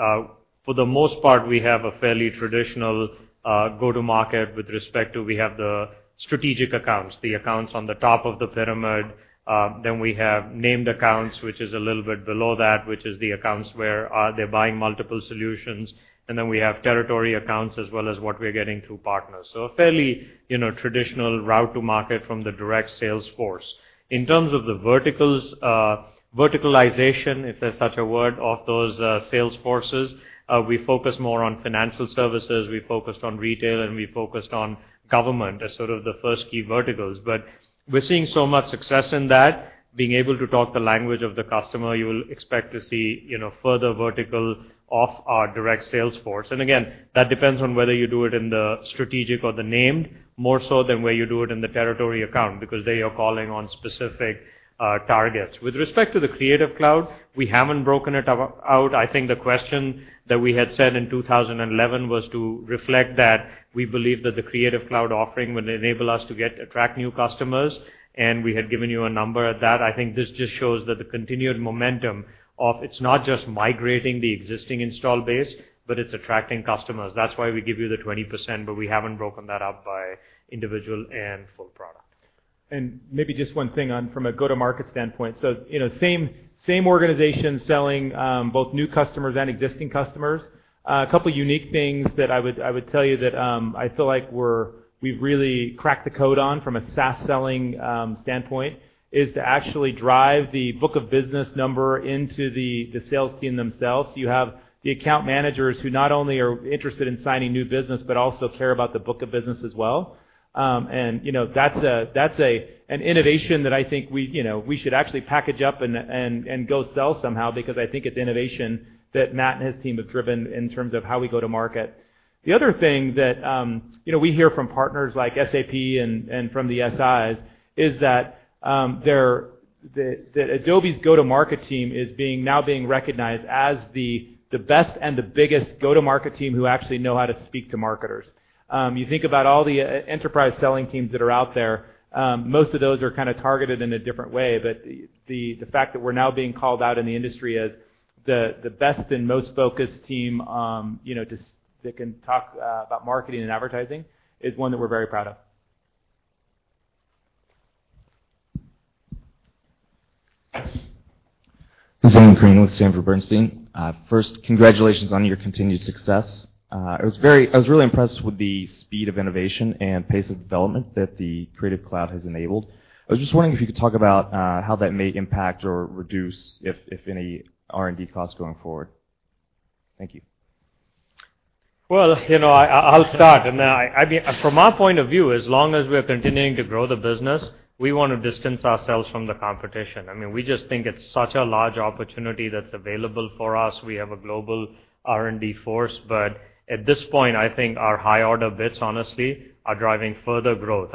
For the most part, we have a fairly traditional go-to-market with respect to we have the strategic accounts, the accounts on the top of the pyramid. We have named accounts, which is a little bit below that, which is the accounts where they're buying multiple solutions. We have territory accounts as well as what we're getting through partners. Fairly traditional route to market from the direct sales force. In terms of the verticalization, if there's such a word, of those sales forces, we focus more on financial services, we focused on retail, and we focused on government as sort of the first key verticals. We're seeing so much success in that, being able to talk the language of the customer, you will expect to see further vertical of our direct sales force. Again, that depends on whether you do it in the strategic or the named, more so than where you do it in the territory account, because they are calling on specific targets. With respect to the Creative Cloud, we haven't broken it out. I think the question that we had said in 2011 was to reflect that we believe that the Creative Cloud offering would enable us to attract new customers, and we had given you a number at that. I think this just shows that the continued momentum of it's not just migrating the existing install base, but it's attracting customers. That's why we give you the 20%, but we haven't broken that up by individual and full product. Maybe just one thing from a go-to-market standpoint. Same organization selling both new customers and existing customers. A couple unique things that I would tell you that I feel like we've really cracked the code on from a SaaS selling standpoint is to actually drive the book of business number into the sales team themselves. You have the account managers who not only are interested in signing new business, but also care about the book of business as well. That's an innovation that I think we should actually package up and go sell somehow, because I think it's innovation that Matt and his team have driven in terms of how we go to market. The other thing that we hear from partners like SAP and from the SIs is that Adobe's go-to-market team is now being recognized as the best and the biggest go-to-market team who actually know how to speak to marketers. You think about all the enterprise selling teams that are out there, most of those are kind of targeted in a different way. The fact that we're now being called out in the industry as the best and most focused team that can talk about marketing and advertising is one that we're very proud of. Zane Green with Sanford Bernstein. First, congratulations on your continued success. I was really impressed with the speed of innovation and pace of development that the Creative Cloud has enabled. I was just wondering if you could talk about how that may impact or reduce, if any, R&D costs going forward. Thank you. I'll start. From my point of view, as long as we're continuing to grow the business, we want to distance ourselves from the competition. We just think it's such a large opportunity that's available for us. We have a global R&D force, but at this point, I think our high-order bits, honestly, are driving further growth.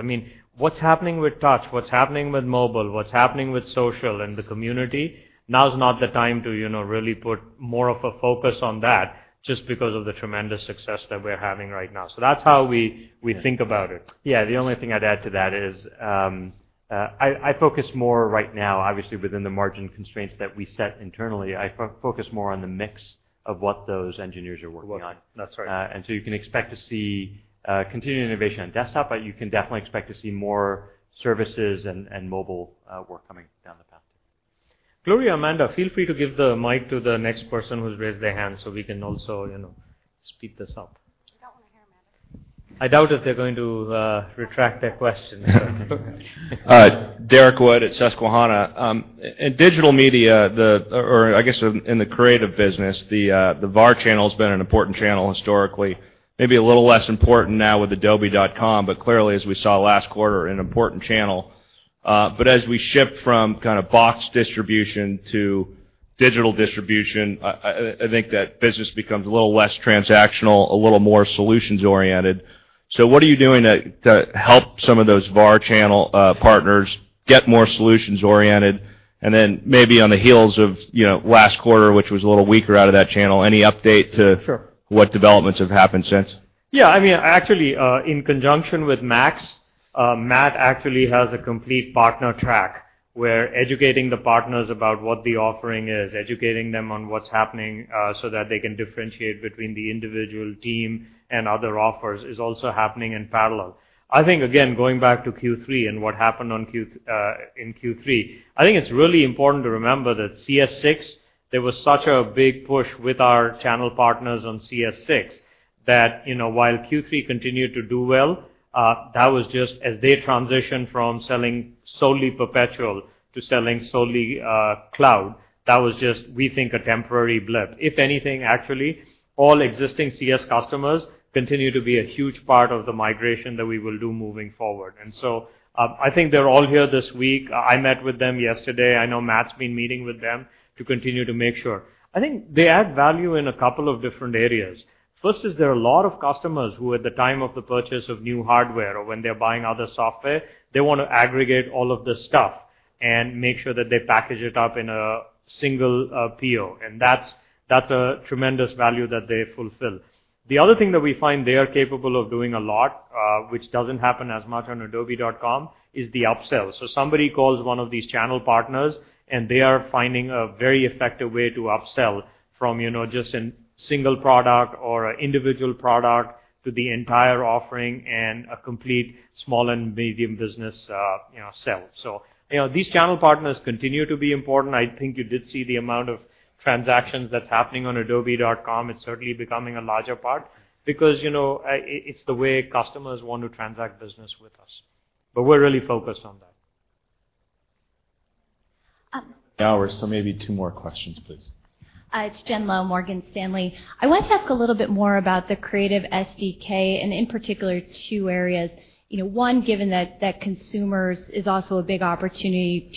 What's happening with touch, what's happening with mobile, what's happening with social and the community, now's not the time to really put more of a focus on that just because of the tremendous success that we're having right now. That's how we think about it. The only thing I'd add to that is, I focus more right now, obviously, within the margin constraints that we set internally, I focus more on the mix of what those engineers are working on. That's right. You can expect to see continued innovation on desktop, but you can definitely expect to see more services and mobile work coming down the path. Gloria, Amanda, feel free to give the mic to the next person who's raised their hand so we can also speed this up. We got one here, Shantanu. I doubt if they're going to retract their question. Derrick Wood at Susquehanna. In digital media, or I guess in the creative business, the VAR channel's been an important channel historically. Maybe a little less important now with adobe.com, but clearly, as we saw last quarter, an important channel. As we shift from kind of box distribution to digital distribution, I think that business becomes a little less transactional, a little more solutions-oriented. What are you doing to help some of those VAR channel partners get more solutions-oriented? Maybe on the heels of last quarter, which was a little weaker out of that channel, any update to- Sure What developments have happened since? actually, in conjunction with MAX, Matt actually has a complete partner track where educating the partners about what the offering is, educating them on what's happening so that they can differentiate between the individual team and other offers is also happening in parallel. I think, again, going back to Q3 and what happened in Q3, I think it's really important to remember that CS6, there was such a big push with our channel partners on CS6 that while Q3 continued to do well, that was just as they transitioned from selling solely perpetual to selling solely cloud. That was just, we think, a temporary blip. If anything, actually, all existing CS customers continue to be a huge part of the migration that we will do moving forward. I think they're all here this week. I met with them yesterday. I know Matt's been meeting with them to continue to make sure. I think they add value in a couple of different areas. First is there are a lot of customers who at the time of the purchase of new hardware or when they're buying other software, they want to aggregate all of this stuff. Make sure that they package it up in a single PO. That's a tremendous value that they fulfill. The other thing that we find they are capable of doing a lot, which doesn't happen as much on adobe.com, is the upsell. Somebody calls one of these channel partners, and they are finding a very effective way to upsell from just a single product or an individual product to the entire offering and a complete small and medium business sell. These channel partners continue to be important. I think you did see the amount of transactions that's happening on adobe.com. It's certainly becoming a larger part because it's the way customers want to transact business with us. We're really focused on that. Hour, maybe two more questions, please. It's Jen Lowe, Morgan Stanley. I wanted to ask a little bit more about the Creative SDK and in particular, two areas. One, given that consumers is also a big opportunity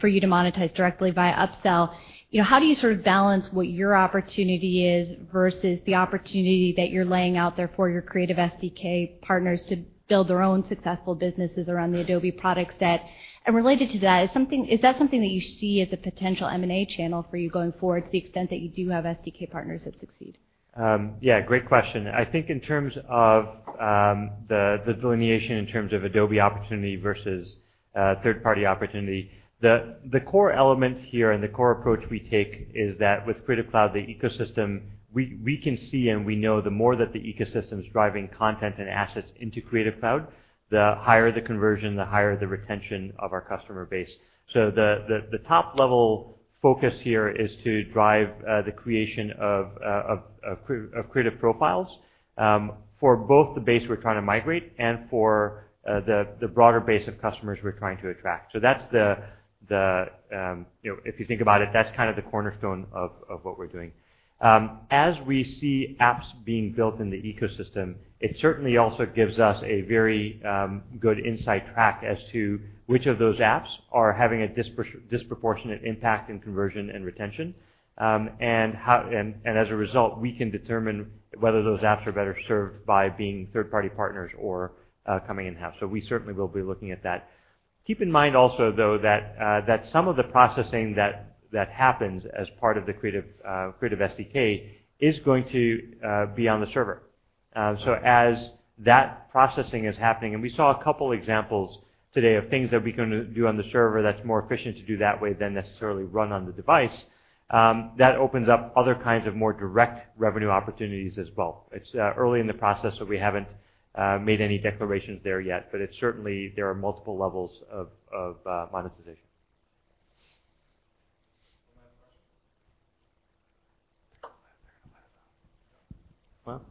for you to monetize directly via upsell, how do you sort of balance what your opportunity is versus the opportunity that you're laying out there for your Creative SDK partners to build their own successful businesses around the Adobe product set? Related to that, is that something that you see as a potential M&A channel for you going forward to the extent that you do have SDK partners that succeed? Yeah. Great question. I think in terms of the delineation in terms of Adobe opportunity versus third-party opportunity, the core elements here and the core approach we take is that with Creative Cloud, the ecosystem, we can see and we know the more that the ecosystem's driving content and assets into Creative Cloud, the higher the conversion, the higher the retention of our customer base. The top-level focus here is to drive the creation of Creative Profiles, for both the base we're trying to migrate and for the broader base of customers we're trying to attract. If you think about it, that's kind of the cornerstone of what we're doing. As we see apps being built in the ecosystem, it certainly also gives us a very good insight track as to which of those apps are having a disproportionate impact in conversion and retention. As a result, we can determine whether those apps are better served by being third-party partners or coming in-house. We certainly will be looking at that. Keep in mind also, though, that some of the processing that happens as part of the Creative SDK is going to be on the server. As that processing is happening, and we saw a couple examples today of things that we can do on the server that's more efficient to do that way than necessarily run on the device, that opens up other kinds of more direct revenue opportunities as well. It's early in the process, so we haven't made any declarations there yet, but it's certainly, there are multiple levels of monetization. One last question. Well?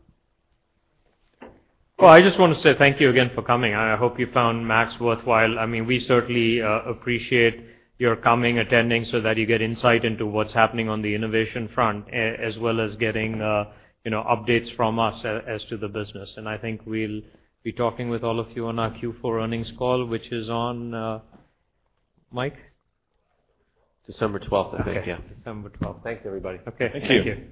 Well, I just want to say thank you again for coming, and I hope you found MAX worthwhile. We certainly appreciate your coming, attending so that you get insight into what's happening on the innovation front, as well as getting updates from us as to the business. I think we'll be talking with all of you on our Q4 earnings call, which is on, Mike? December 12th, I think. Yeah. Okay. December 12th. Thanks, everybody. Okay. Thank you.